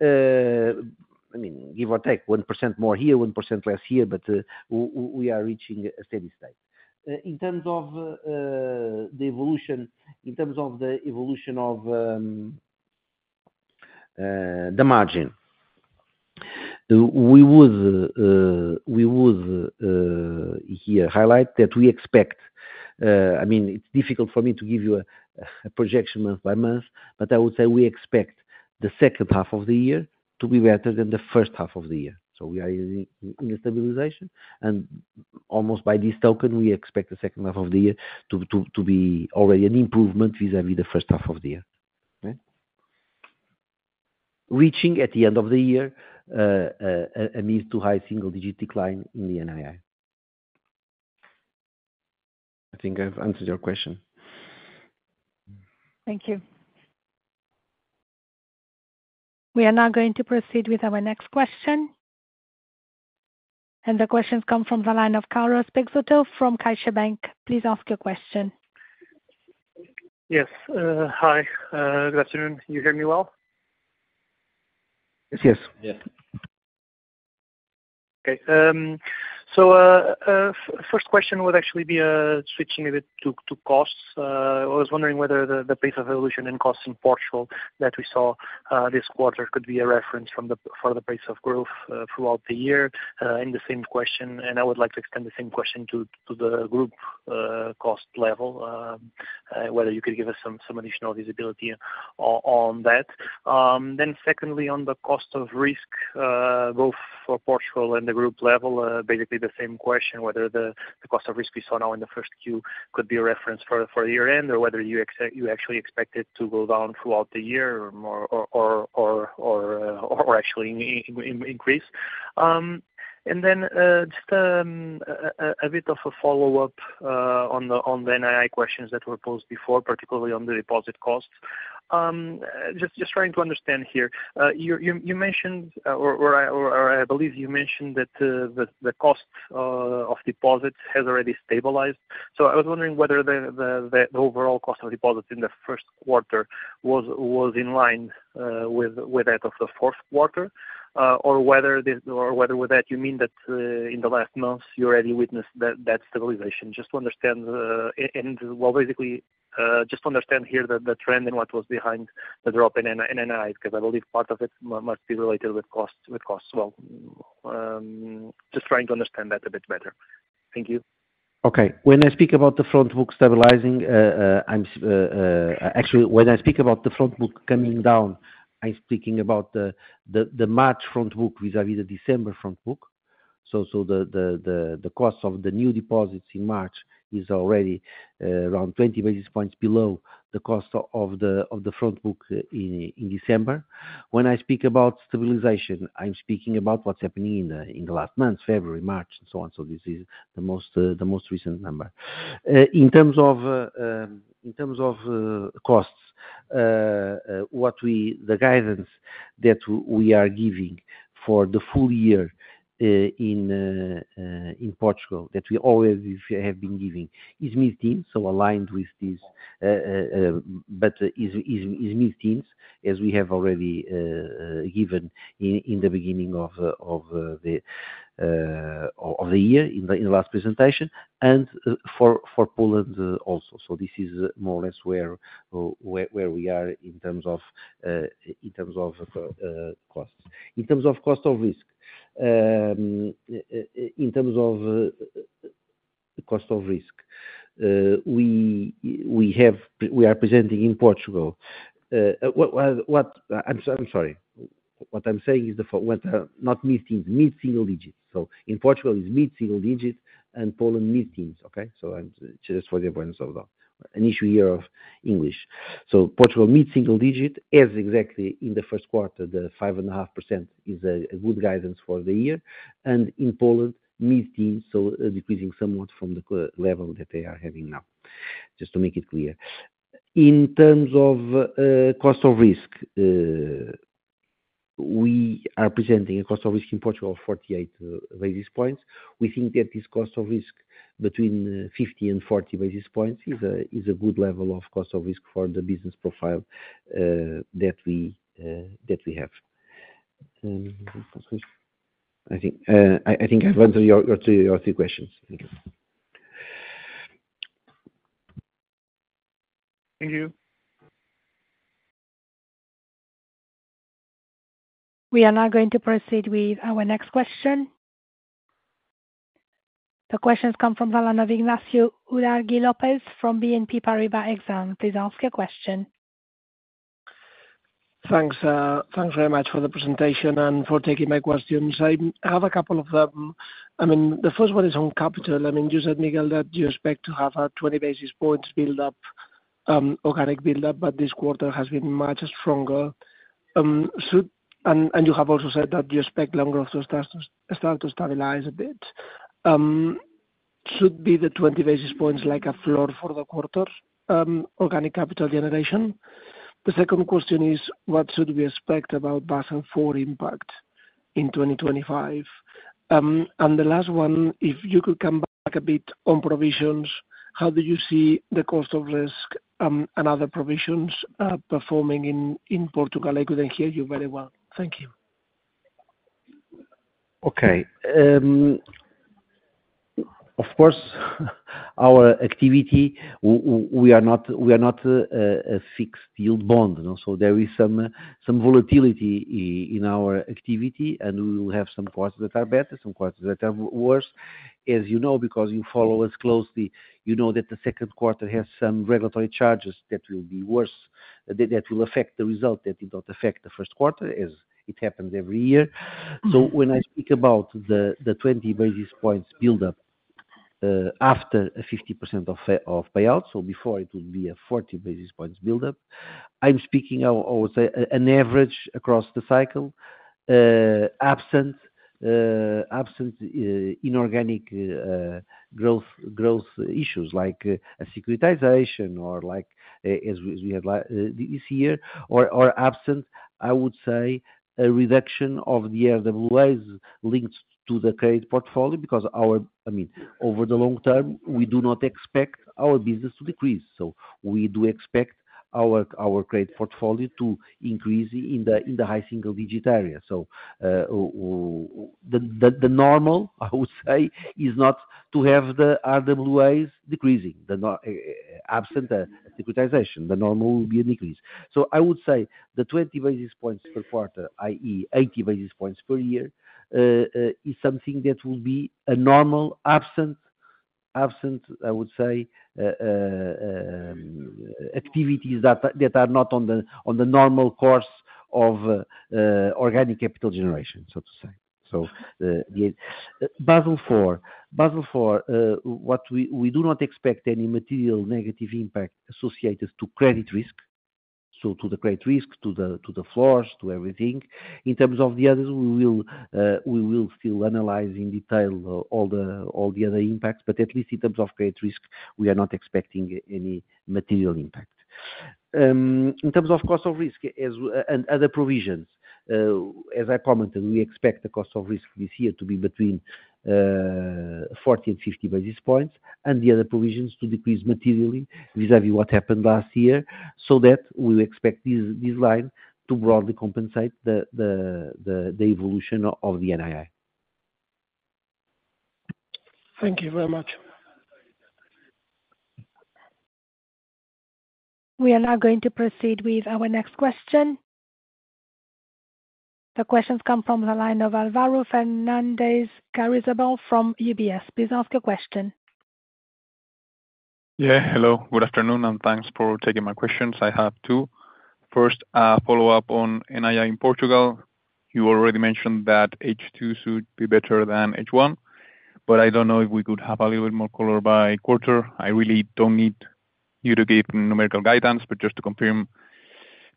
Speaker 3: I mean, give or take 1% more here, 1% less here, but we are reaching a steady state. In terms of the evolution, in terms of the evolution of the margin, we would here highlight that we expect. I mean, it's difficult for me to give you a projection month by month, but I would say we expect the second half of the year to be better than the first half of the year. So we are in stabilization, and almost by this token, we expect the second half of the year to be already an improvement vis-à-vis the first half of the year. Right? Reaching at the end of the year, a mid to high single digit decline in the NII. I think I've answered your question.
Speaker 6: Thank you.
Speaker 1: We are now going to proceed with our next question. The question come from the line of Carlos Peixoto from CaixaBank. Please ask your question.
Speaker 7: Yes. Hi, good afternoon. Can you hear me well?
Speaker 3: Yes. Yes.
Speaker 2: Yes.
Speaker 7: Okay, so first question would actually be switching a bit to costs. I was wondering whether the pace of evolution in costs in Portugal that we saw this quarter could be a reference for the pace of growth throughout the year. And the same question, and I would like to extend the same question to the group cost level whether you could give us some additional visibility on that. Then secondly, on the cost of risk, both for Portugal and the Group level, basically the same question, whether the cost of risk we saw now in the first quarter could be a reference for the year end, or whether you actually expect it to go down throughout the year or more, or actually increase. And then, just a bit of a follow-up on the NII questions that were posed before, particularly on the deposit costs. Just trying to understand here, you mentioned, or I believe you mentioned that the cost of deposits has already stabilized. So I was wondering whether the overall cost of deposits in the first quarter was in line with that of the fourth quarter, or whether with that, you mean that in the last months you already witnessed that stabilization? Just to understand here the trend and what was behind the drop in NII, because I believe part of it must be related with costs, with costs as well. Just trying to understand that a bit better. Thank you.
Speaker 3: Okay. When I speak about the front book stabilizing, actually, when I speak about the front book coming down, I'm speaking about the cost of the new deposits in March is already around 20 basis points below the cost of the front book in December. When I speak about stabilization, I'm speaking about what's happening in the last month, February, March, and so on. So this is the most recent number. In terms of costs, what we- the guidance that we are giving for the full year, in Portugal, that we always have been giving is mid-teens, so aligned with this, but is mid-teens, as we have already given in the beginning of the year, in the last presentation, and for Poland also. So this is more or less where we are in terms of costs. In terms of cost of risk, in terms of cost of risk, we are presenting in Portugal what-- I'm sorry. What I'm saying is the for- what, not mid-teens, mid-single digits. So in Portugal it's mid-single digits, and Poland, mid-teens, okay? So I'm just for the avoidance of the, an issue here of English. So Portugal, mid-single digit, as exactly in the first quarter, the 5.5% is a, a good guidance for the year. And in Poland, mid-teens, so decreasing somewhat from the current level that they are having now, just to make it clear. In terms of, cost of risk, we are presenting a cost of risk in Portugal of 48 basis points. We think that this cost of risk between 50 and 40 basis points is a, is a good level of cost of risk for the business profile, that we, that we have. I think, I, I think I've answered your, your three, your three questions. Thank you.
Speaker 7: Thank you.
Speaker 1: We are now going to proceed with our next question. The question comes from Ignacio Ulargui López from BNP Paribas Exane. Please ask your question.
Speaker 8: Thanks, thanks very much for the presentation and for taking my questions. I have a couple of them. I mean, the first one is on capital. I mean, you said, Miguel, that you expect to have a 20 basis points build up, organic build up, but this quarter has been much stronger. So, and, and you have also said that you expect loan growth to start to stabilize a bit. Should be the 20 basis points like a floor for the quarter, organic capital generation? The second question is, what should we expect about Basel IV impact in 2025? And the last one, if you could come back a bit on provisions, how do you see the cost of risk, and other provisions, performing in Portugal? I couldn't hear you very well. Thank you.
Speaker 3: Okay. Of course, our activity, we are not, we are not, a fixed yield bond, you know, so there is some volatility in our activity, and we will have some quarters that are better, some quarters that are worse. As you know, because you follow us closely, you know that the second quarter has some regulatory charges that will be worse, that will affect the result, that it not affect the first quarter, as it happens every year. So when I speak about the 20 basis points build-up, after a 50% of payout, so before it would be a 40 basis points build-up, I'm speaking of, I would say, an average across the cycle, absent inorganic growth issues like a securitization or like as we had last year, or absent, I would say, a reduction of the RWAs linked to the trade portfolio, because our-- I mean, over the long term, we do not expect our business to decrease. So we do expect our credit portfolio to increase in the high single digit area. So the normal, I would say, is not to have the RWAs decreasing, absent securitization, the normal will be a decrease. So I would say the 20 basis points per quarter, i.e., 80 basis points per year, is something that will be normal, absent activities that are not on the normal course of organic capital generation, so to say. So, the Basel IV, what we do not expect any material negative impact associated to credit risk. So to the credit risk, to the floors, to everything. In terms of the others, we will still analyze in detail all the other impacts, but at least in terms of credit risk, we are not expecting any material impact. In terms of cost of risk and other provisions, as I commented, we expect the cost of risk this year to be between 40 and 50 basis points, and the other provisions to decrease materially vis-à-vis what happened last year. So that we expect this line to broadly compensate the evolution of the NII.
Speaker 8: Thank you very much.
Speaker 1: We are now going to proceed with our next question. The question comes from the line of Álvaro Fernández-Garayzábal from UBS. Please ask your question.
Speaker 9: Yeah, hello, good afternoon, and thanks for taking my questions. I have two. First, follow up on NII in Portugal. You already mentioned that H2 should be better than H1, but I don't know if we could have a little bit more color by quarter. I really don't need you to give numerical guidance, but just to confirm the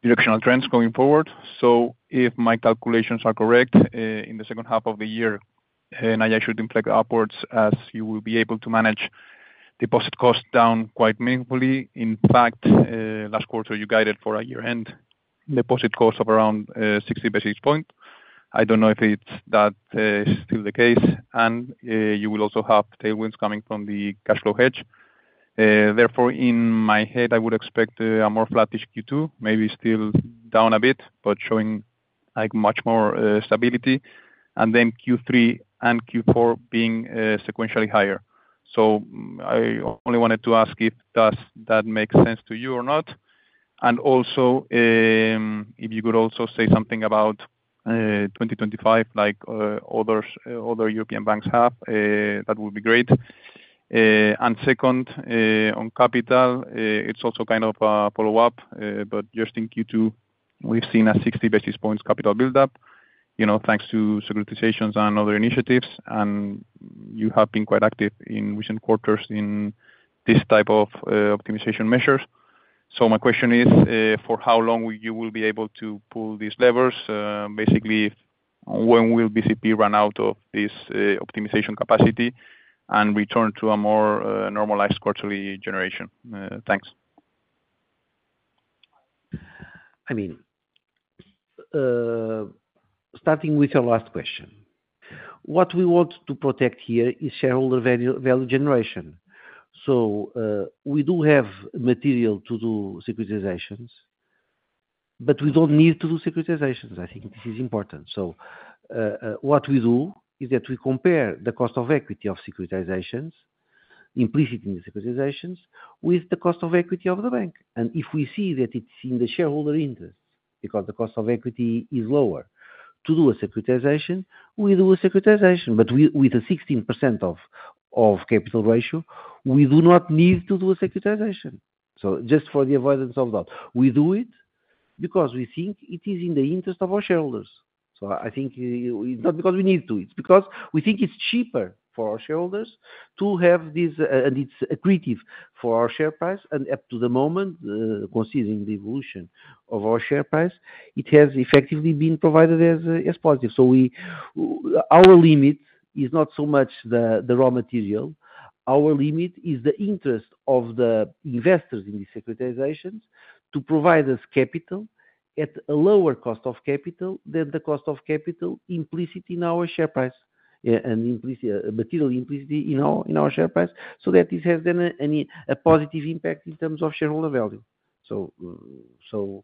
Speaker 9: directional trends going forward. So if my calculations are correct, in the second half of the year, NII should inflect upwards as you will be able to manage deposit costs down quite meaningfully. In fact, last quarter, you guided for a year-end deposit cost of around 60 basis point. I don't know if it's that still the case, and you will also have tailwinds coming from the cash flow hedge. Therefore, in my head, I would expect a more flattish Q2, maybe still down a bit, but showing, like, much more stability, and then Q3 and Q4 being sequentially higher. So I only wanted to ask if does that make sense to you or not? And also, if you could also say something about 2025, like, others, other European banks have, that would be great. And second, on capital, it's also kind of a follow-up, but just in Q2, we've seen a 60 basis points capital buildup, you know, thanks to securitizations and other initiatives, and you have been quite active in recent quarters in this type of optimization measures. So my question is, for how long will you be able to pull these levers? Basically, when will bcp run out of this optimization capacity and return to a more normalized quarterly generation? Thanks.
Speaker 3: I mean, starting with your last question, what we want to protect here is shareholder value, value generation. So, we do have material to do securitizations, but we don't need to do securitizations. I think this is important. So, what we do is that we compare the cost of equity of securitizations, implicitly securitizations, with the cost of equity of the bank. And if we see that it's in the shareholder interest, because the cost of equity is lower to do a securitization, we do a securitization. But with a 16% capital ratio, we do not need to do a securitization. So just for the avoidance of that, we do it because we think it is in the interest of our shareholders. So I think, not because we need to, it's because we think it's cheaper for our shareholders to have this, and it's accretive for our share price, and up to the moment, considering the evolution of our share price, it has effectively been provided as positive. So, our limit is not so much the raw material. Our limit is the interest of the investors in the securitizations to provide us capital at a lower cost of capital than the cost of capital implicit in our share price, and implicitly materially in our share price, so that this has been a positive impact in terms of shareholder value. So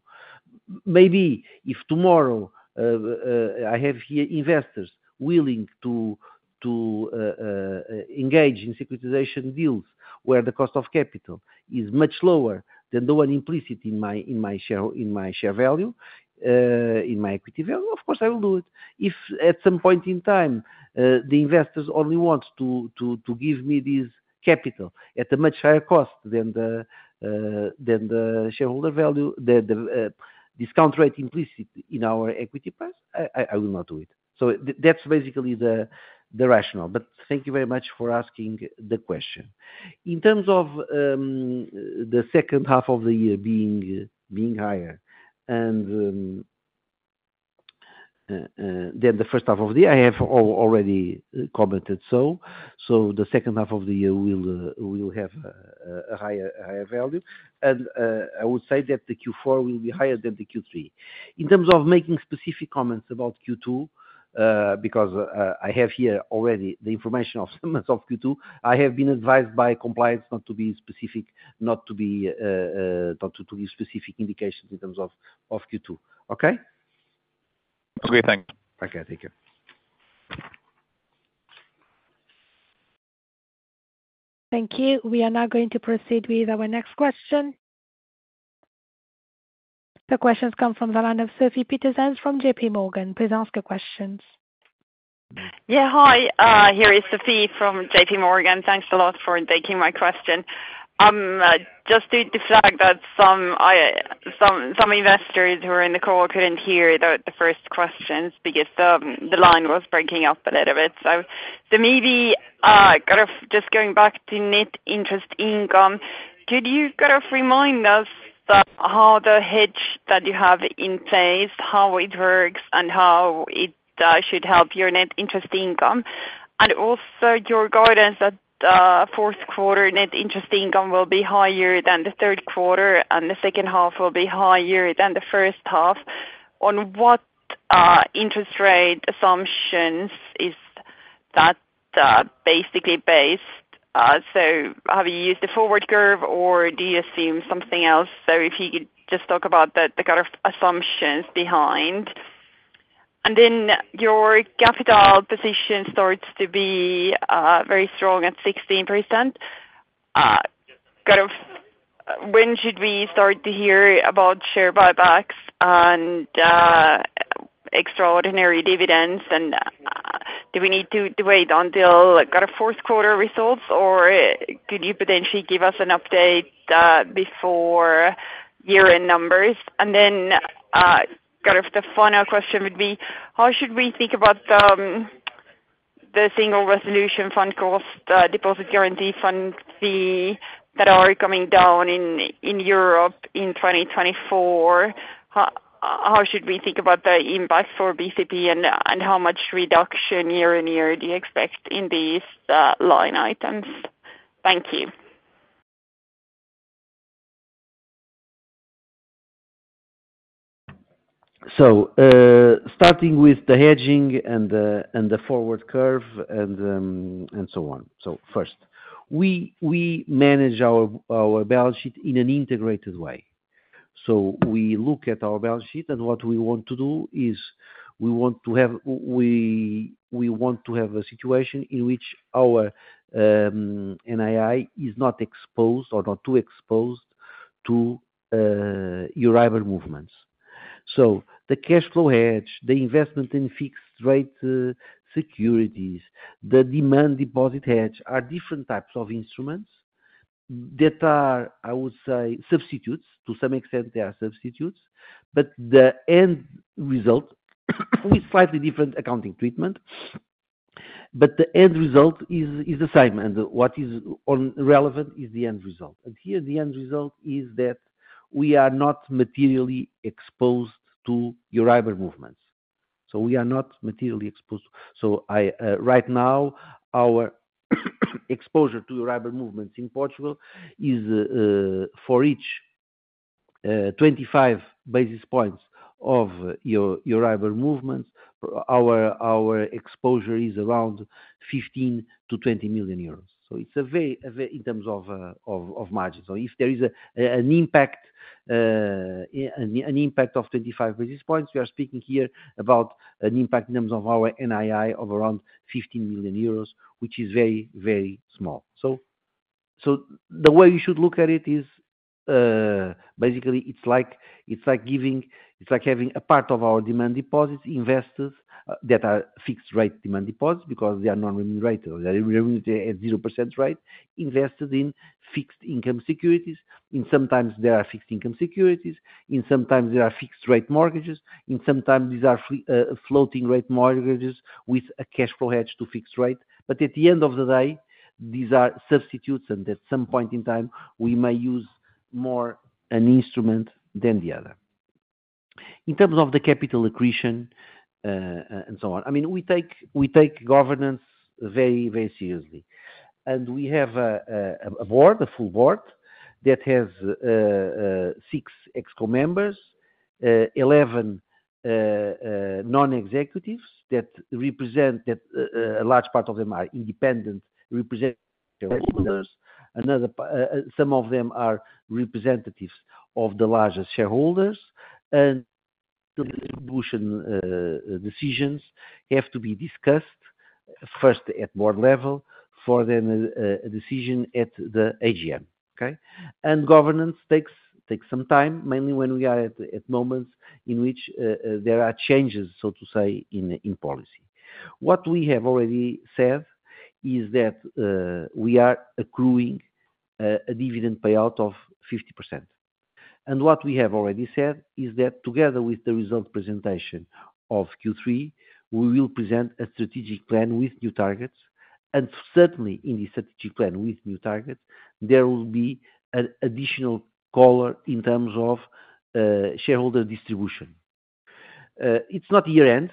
Speaker 3: maybe if tomorrow I have here investors willing to engage in securitization deals where the cost of capital is much lower than the one implicit in my share value, in my equity value, of course I will do it. If at some point in time the investors only want to give me this capital at a much higher cost than the shareholder value, the discount rate implicit in our equity price, I will not do it. So that's basically the rationale. But thank you very much for asking the question. In terms of the second half of the year being higher than the first half of the year, I have already commented so. So the second half of the year will have a higher value, and I would say that the Q4 will be higher than the Q3. In terms of making specific comments about Q2, because I have here already the information of some of Q2, I have been advised by compliance not to be specific, not to give specific indications in terms of Q2. Okay?
Speaker 9: Okay, thanks.
Speaker 3: Okay, take care.
Speaker 1: Thank you. We are now going to proceed with our next question. The question comes from the line of Sofie Peterzens from JPMorgan. Please ask your questions.
Speaker 10: Yeah, hi, here is Sofie from JPMorgan. Thanks a lot for taking my question. Just to flag that some investors who are in the call couldn't hear the first questions because the line was breaking up a little bit. So, maybe kind of just going back to net interest income, could you kind of remind us how the hedge that you have in place works, and how it should help your net interest income? And also your guidance that fourth quarter net interest income will be higher than the third quarter, and the second half will be higher than the first half. On what interest rate assumptions is that basically based? So have you used the forward curve or do you assume something else? So if you could just talk about the kind of assumptions behind. And then your capital position starts to be very strong at 16%. Kind of when should we start to hear about share buybacks and extraordinary dividends? And do we need to wait until, like, kind of fourth quarter results, or could you potentially give us an update before year-end numbers? And then kind of the final question would be: How should we think about the Single Resolution Fund cost, the Deposit Guarantee Fund fee that are coming down in Europe in 2024? How should we think about the impact for bcp, and how much reduction year-on-year do you expect in these line items? Thank you.
Speaker 3: So, starting with the hedging and the forward curve and so on. So first, we manage our balance sheet in an integrated way. So we look at our balance sheet, and what we want to do is, we want to have a situation in which our NII is not exposed or not too exposed to Euribor movements. So the cash flow hedge, the investment in fixed rate securities, the demand deposit hedge, are different types of instruments that are, I would say, substitutes. To some extent they are substitutes, but the end result with slightly different accounting treatment. But the end result is the same, and what is most relevant is the end result. And here the end result is that we are not materially exposed to Euribor movements. So we are not materially exposed. So I, right now, our, exposure to Euribor movements in Portugal is, for each, 25 basis points of your, your Euribor movements, our, our exposure is around 15-20 million euros. So it's a very, a very, in terms of, of, of margin. So if there is a, an impact, an, an impact of 25 basis points, we are speaking here about an impact in terms of our NII of around 15 million euros, which is very, very small. So, so the way you should look at it is, basically it's like, it's like giving-- it's like having a part of our demand deposits investors that are fixed rate demand deposits because they are non-remunerated, at 0% rate, invested in fixed income securities. In sometimes there are fixed income securities, in sometimes there are fixed rate mortgages, in sometimes these are free, floating rate mortgages with a cash flow hedge to fixed rate. But at the end of the day, these are substitutes, and at some point in time we may use more an instrument than the other. In terms of the capital accretion, and so on. I mean, we take governance very, very seriously. And we have a board, a full board, that has six ExCo members, eleven non-executives that represent that, a large part of them are independent, represent shareholders. Another part, some of them are representatives of the larger shareholders, and the distribution decisions have to be discussed first at board level for then, a decision at the AGM, okay? Governance takes some time, mainly when we are at moments in which there are changes, so to say, in policy. What we have already said is that we are accruing a dividend payout of 50%. And what we have already said is that together with the result presentation of Q3, we will present a strategic plan with new targets. And certainly, in the strategic plan with new targets, there will be an additional color in terms of shareholder distribution. It's not year-end,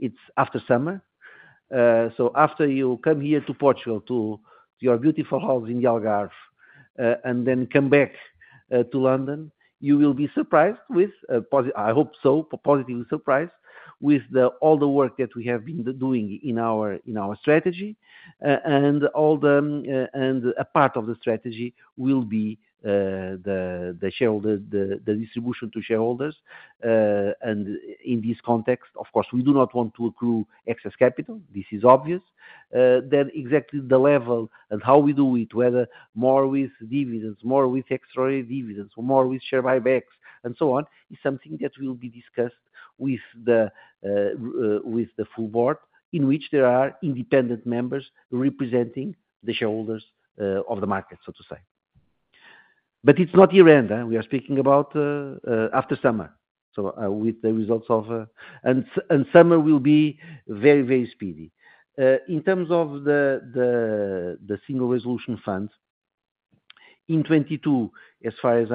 Speaker 3: it's after summer. So after you come here to Portugal, to your beautiful house in Algarve, and then come back to London, you will be surprised with a posi, I hope so, positively surprised, with all the work that we have been doing in our strategy. And a part of the strategy will be the shareholder distribution to shareholders. And in this context, of course, we do not want to accrue excess capital. This is obvious. Then exactly the level and how we do it, whether more with dividends, more with extraordinary dividends, or more with share buybacks, and so on, is something that will be discussed with the full board, in which there are independent members representing the shareholders of the market, so to say. But it's not year-end, we are speaking about after summer. So, with the results of... And summer will be very, very speedy. In terms of the Single Resolution Funds, in 2022, as far as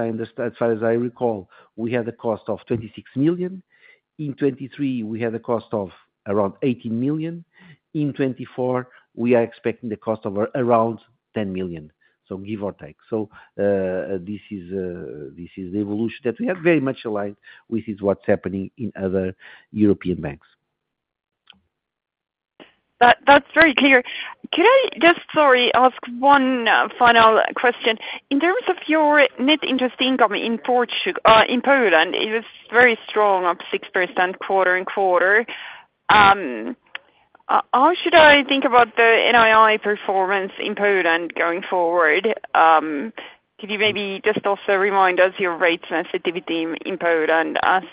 Speaker 3: I recall, we had a cost of 26 million. In 2023, we had a cost of around 18 million. In 2024, we are expecting the cost of around 10 million, so give or take. So, this is the evolution that we are very much aligned with is what's happening in other European banks.
Speaker 10: That, that's very clear. Could I just, sorry, ask one final question? In terms of your net interest income in Poland, it was very strong, up 6% quarter-over-quarter. How should I think about the NII performance in Poland going forward? Could you maybe just also remind us your rate sensitivity in Poland, as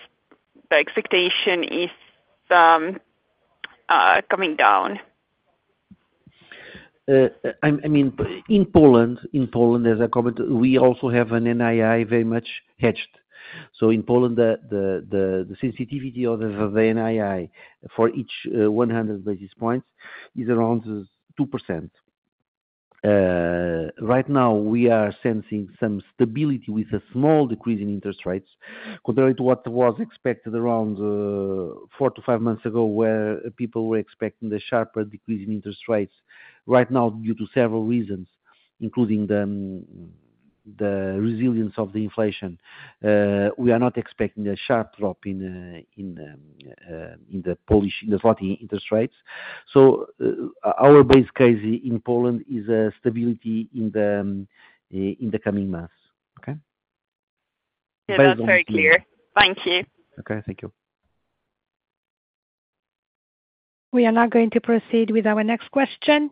Speaker 10: the expectation is, coming down?
Speaker 3: I mean, in Poland, in Poland, as I commented, we also have an NII very much hedged. So in Poland, the sensitivity of the NII for each 100 basis points is around 2%. Right now, we are sensing some stability with a small decrease in interest rates compared to what was expected around 4-5 months ago, where people were expecting a sharper decrease in interest rates right now due to several reasons.... including the resilience of the inflation, we are not expecting a sharp drop in in the Polish in the interest rates. So, our base case in Poland is stability in the coming months. Okay?
Speaker 10: Yeah, that's very clear. Thank you.
Speaker 3: Okay, thank you.
Speaker 1: We are now going to proceed with our next question.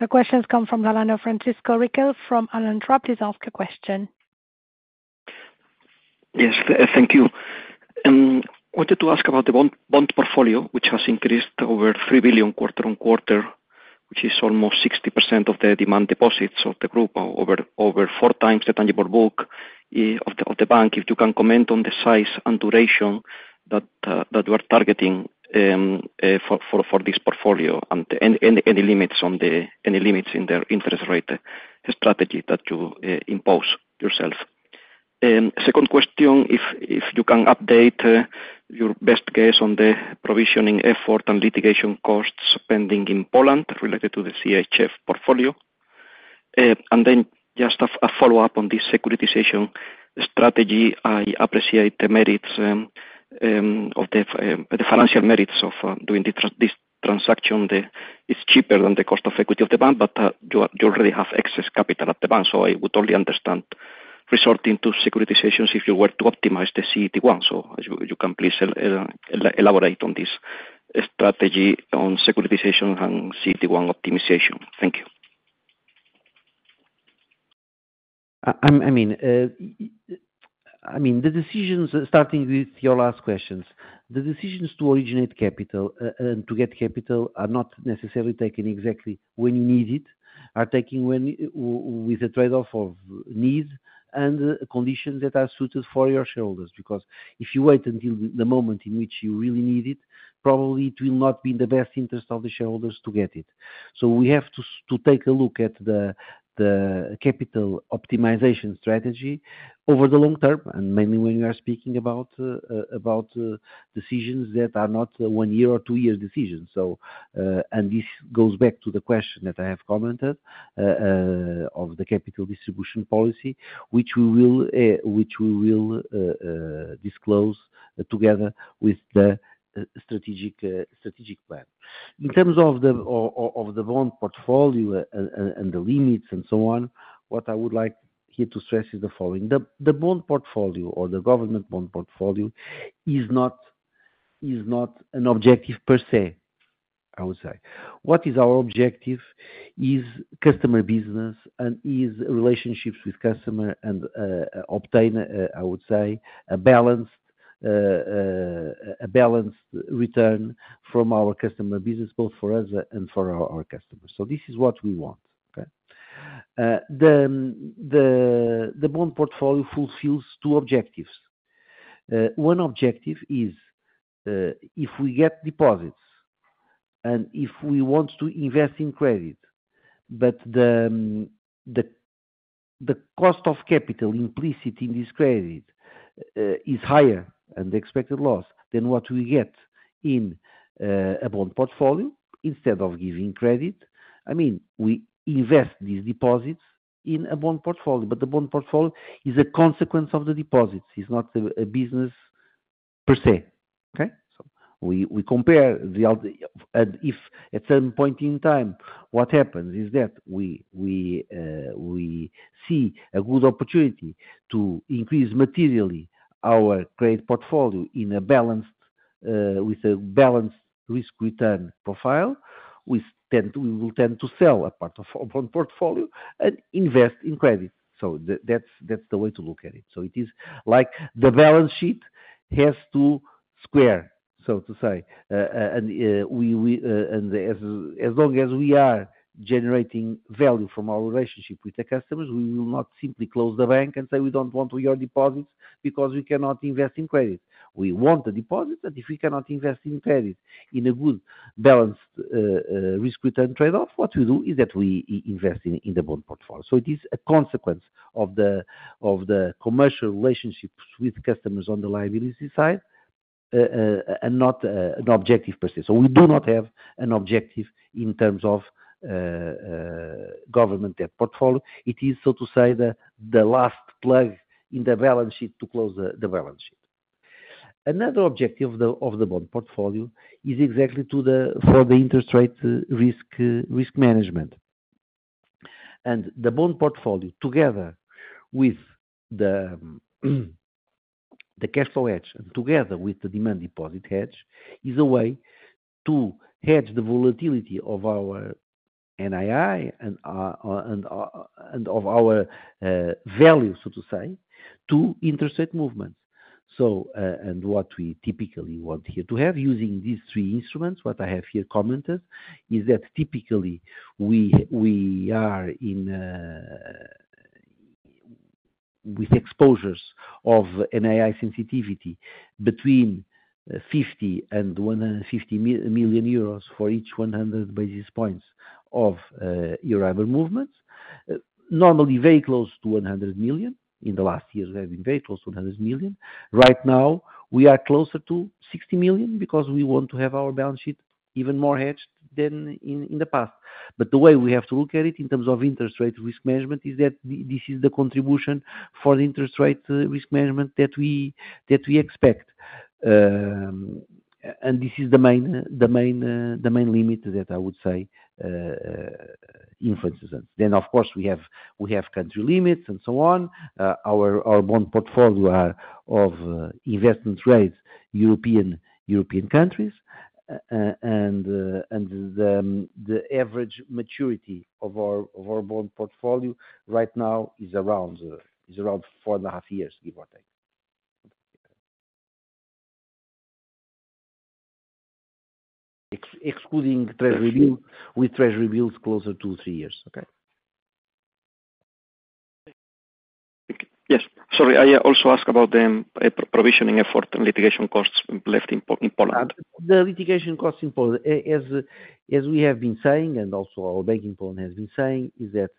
Speaker 1: The question comes from Francisco Riquel from Alantra. Please ask a question.
Speaker 11: Yes, thank you. Wanted to ask about the bond, bond portfolio, which has increased over 3 billion quarter on quarter, which is almost 60% of the demand deposits of the group, over, over four times the tangible book, of the, of the bank. If you can comment on the size and duration that, that we're targeting, for, for, for this portfolio and, and, and any limits on any limits in their interest rate strategy that you, impose yourself. And second question, if, if you can update, your best guess on the provisioning effort and litigation costs pending in Poland related to the CHF portfolio. And then just a, a follow-up on this securitization strategy. I appreciate the merits, of the, the financial merits of, doing this, this transaction. It's cheaper than the cost of equity of the bank, but you already have excess capital at the bank, so I would only understand resorting to securitizations if you were to optimize the CET1. So if you can please elaborate on this strategy on securitization and CET1 optimization. Thank you.
Speaker 3: I mean, the decisions, starting with your last questions, the decisions to originate capital and to get capital are not necessarily taken exactly when you need it, taken when with the trade-off of needs and conditions that are suited for your shareholders. Because if you wait until the moment in which you really need it, probably it will not be in the best interest of the shareholders to get it. So we have to to take a look at the, the capital optimization strategy over the long term, and mainly when you are speaking about decisions that are not one year or two years decisions. So this goes back to the question that I have commented on the capital distribution policy, which we will disclose together with the strategic plan. In terms of the bond portfolio and the limits and so on, what I would like here to stress is the following: the bond portfolio or the government bond portfolio is not an objective per se, I would say. What is our objective is customer business and is relationships with customer and obtain, I would say, a balanced return from our customer business, both for us and for our customers. So this is what we want, okay? The bond portfolio fulfills two objectives. One objective is, if we get deposits and if we want to invest in credit, but the cost of capital implicit in this credit is higher than the expected loss, then what we get in a bond portfolio instead of giving credit, I mean, we invest these deposits in a bond portfolio. But the bond portfolio is a consequence of the deposits, it's not a business per se, okay? So we compare the al... And if at certain point in time, what happens is that we see a good opportunity to increase materially our credit portfolio in a balanced, with a balanced risk return profile, we tend to, we will tend to sell a part of our portfolio and invest in credit. So that's the way to look at it. So it is like the balance sheet has to square, so to say, and as long as we are generating value from our relationship with the customers, we will not simply close the bank and say, "We don't want your deposits," because we cannot invest in credit. We want the deposits, and if we cannot invest in credit in a good, balanced, risk-return trade-off, what we do is that we invest in the bond portfolio. So it is a consequence of the commercial relationships with customers on the liabilities side, and not an objective per se. So we do not have an objective in terms of government debt portfolio. It is, so to say, the last plug in the balance sheet to close the balance sheet. Another objective of the bond portfolio is exactly for the interest rate risk management. The bond portfolio, together with the cash flow hedge, and together with the demand deposit hedge, is a way to hedge the volatility of our NII and of our value, so to say, to offset movements. So, what we typically want here to have, using these three instruments, what I have here commented, is that typically we are in with exposures of NII sensitivity between 50 million and 150 million euros for each 100 basis points of parallel movements. Normally very close to 100 million. In the last years, we have been very close to 100 million. Right now, we are closer to 60 million because we want to have our balance sheet even more hedged than in the past. But the way we have to look at it, in terms of interest rate risk management, is that this is the contribution for the interest rate risk management that we expect. And this is the main limit that I would say influences us. Then, of course, we have country limits, and so on. Our bond portfolio are of investment grade, European countries, and the average maturity of our bond portfolio right now is around 4.5 years, give or take. Excluding treasury bill, with treasury bills, closer to 3 years. Okay?
Speaker 10: Yes. Sorry, I also ask about the provisioning effort and litigation costs left in Poland.
Speaker 3: The litigation costs in Poland, as we have been saying, and also our bank in Poland has been saying, is that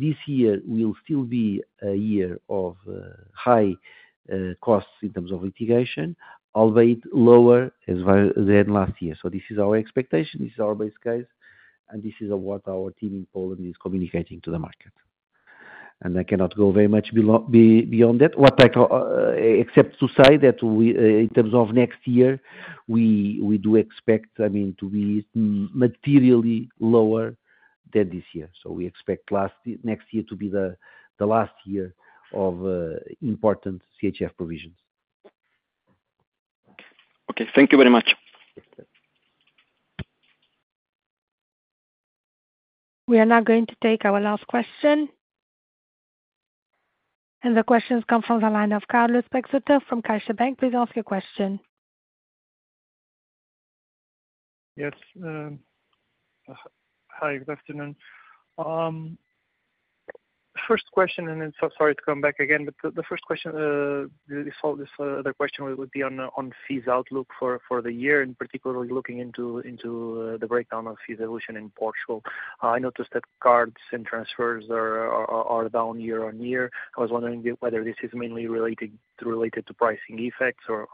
Speaker 3: this year will still be a year of high costs in terms of litigation, albeit lower than last year. So this is our expectation, this is our base case, and this is what our team in Poland is communicating to the market. And I cannot go very much beyond that. What I expect to say that we, in terms of next year, we do expect, I mean, to be materially lower than this year. So we expect next year to be the last year of important CHF provisions.
Speaker 11: Okay. Thank you very much.
Speaker 3: Yes, sir.
Speaker 1: We are now going to take our last question. The question comes from the line of Carlos Peixoto from CaixaBank. Please ask your question.
Speaker 7: Yes, hi, good afternoon. First question, and then so sorry to come back again, but the first question. So, this other question would be on fees outlook for the year, and particularly looking into the breakdown of fee evolution in Portugal. I noticed that cards and transfers are down year-on-year. I was wondering whether this is mainly related to pricing effects or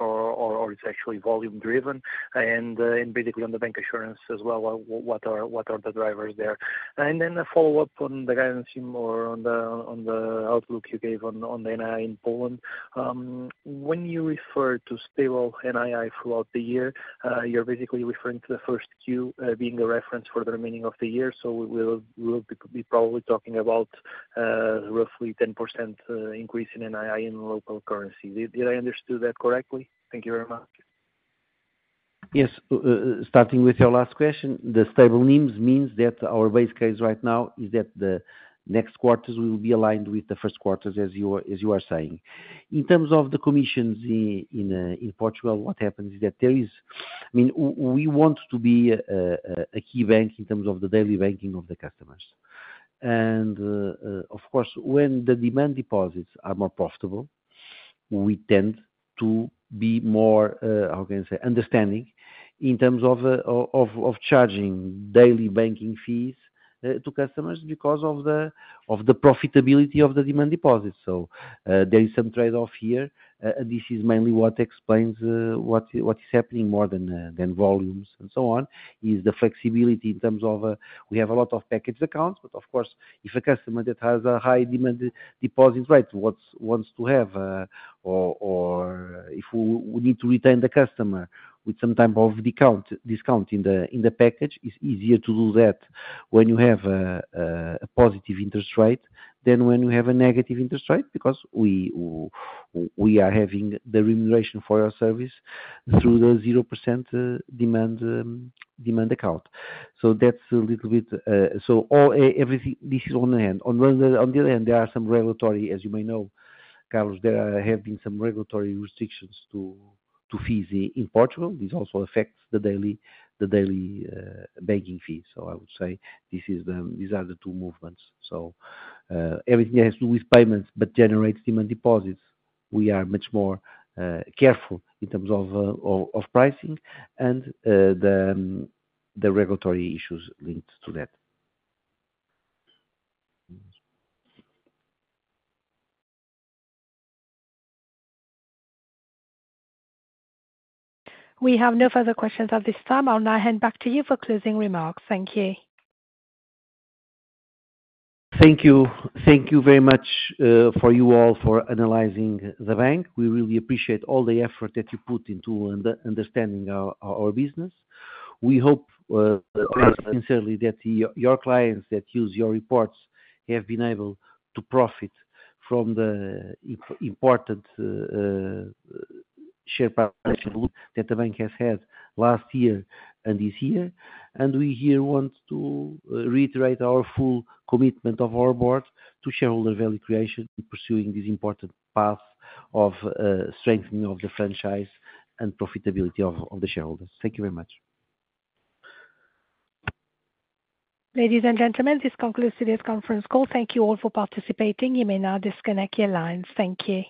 Speaker 7: it's actually volume driven? And basically on the bancassurance as well, what are the drivers there? And then a follow-up on the guidance, more on the outlook you gave on the NII in Poland. When you refer to stable NII throughout the year, you're basically referring to the first Q being the reference for the remaining of the year, so we'll be probably talking about roughly 10% increase in NII in local currency. Did I understood that correctly? Thank you very much.
Speaker 3: Yes. Starting with your last question, the stable NIMs means that our base case right now is that the next quarters will be aligned with the first quarters, as you are saying. In terms of the commissions in Portugal, what happens is that I mean, we want to be a key bank in terms of the daily banking of the customers. And of course, when the demand deposits are more profitable, we tend to be more, how can I say? Understanding, in terms of charging daily banking fees to customers because of the profitability of the demand deposits. So, there is some trade-off here, and this is mainly what explains what is happening more than volumes and so on: the flexibility in terms of we have a lot of package accounts. But of course, if a customer that has a high demand deposits, right, wants to have, or if we need to retain the customer with some type of discount in the package, it's easier to do that when you have a positive interest rate than when you have a negative interest rate. Because we are having the remuneration for our service through the 0% demand account. So that's a little bit. So all, everything, this is on the hand. On the other hand, there are some regulatory, as you may know, Carlos, there have been some regulatory restrictions to fees in Portugal. This also affects the daily banking fees. So I would say this is the, these are the two movements. So, everything has to do with payments, but generates demand deposits. We are much more careful in terms of pricing and the regulatory issues linked to that.
Speaker 1: We have no further questions at this time. I'll now hand back to you for closing remarks. Thank you.
Speaker 3: Thank you. Thank you very much, for you all for analyzing the bank. We really appreciate all the effort that you put into understanding our business. We hope, sincerely, that your clients that use your reports, have been able to profit from the important share price that the bank has had last year and this year. And we here want to reiterate our full commitment of our board to shareholder value creation, and pursuing this important path of strengthening of the franchise and profitability of the shareholders. Thank you very much.
Speaker 1: Ladies and gentlemen, this concludes today's conference call. Thank you all for participating. You may now disconnect your lines. Thank you.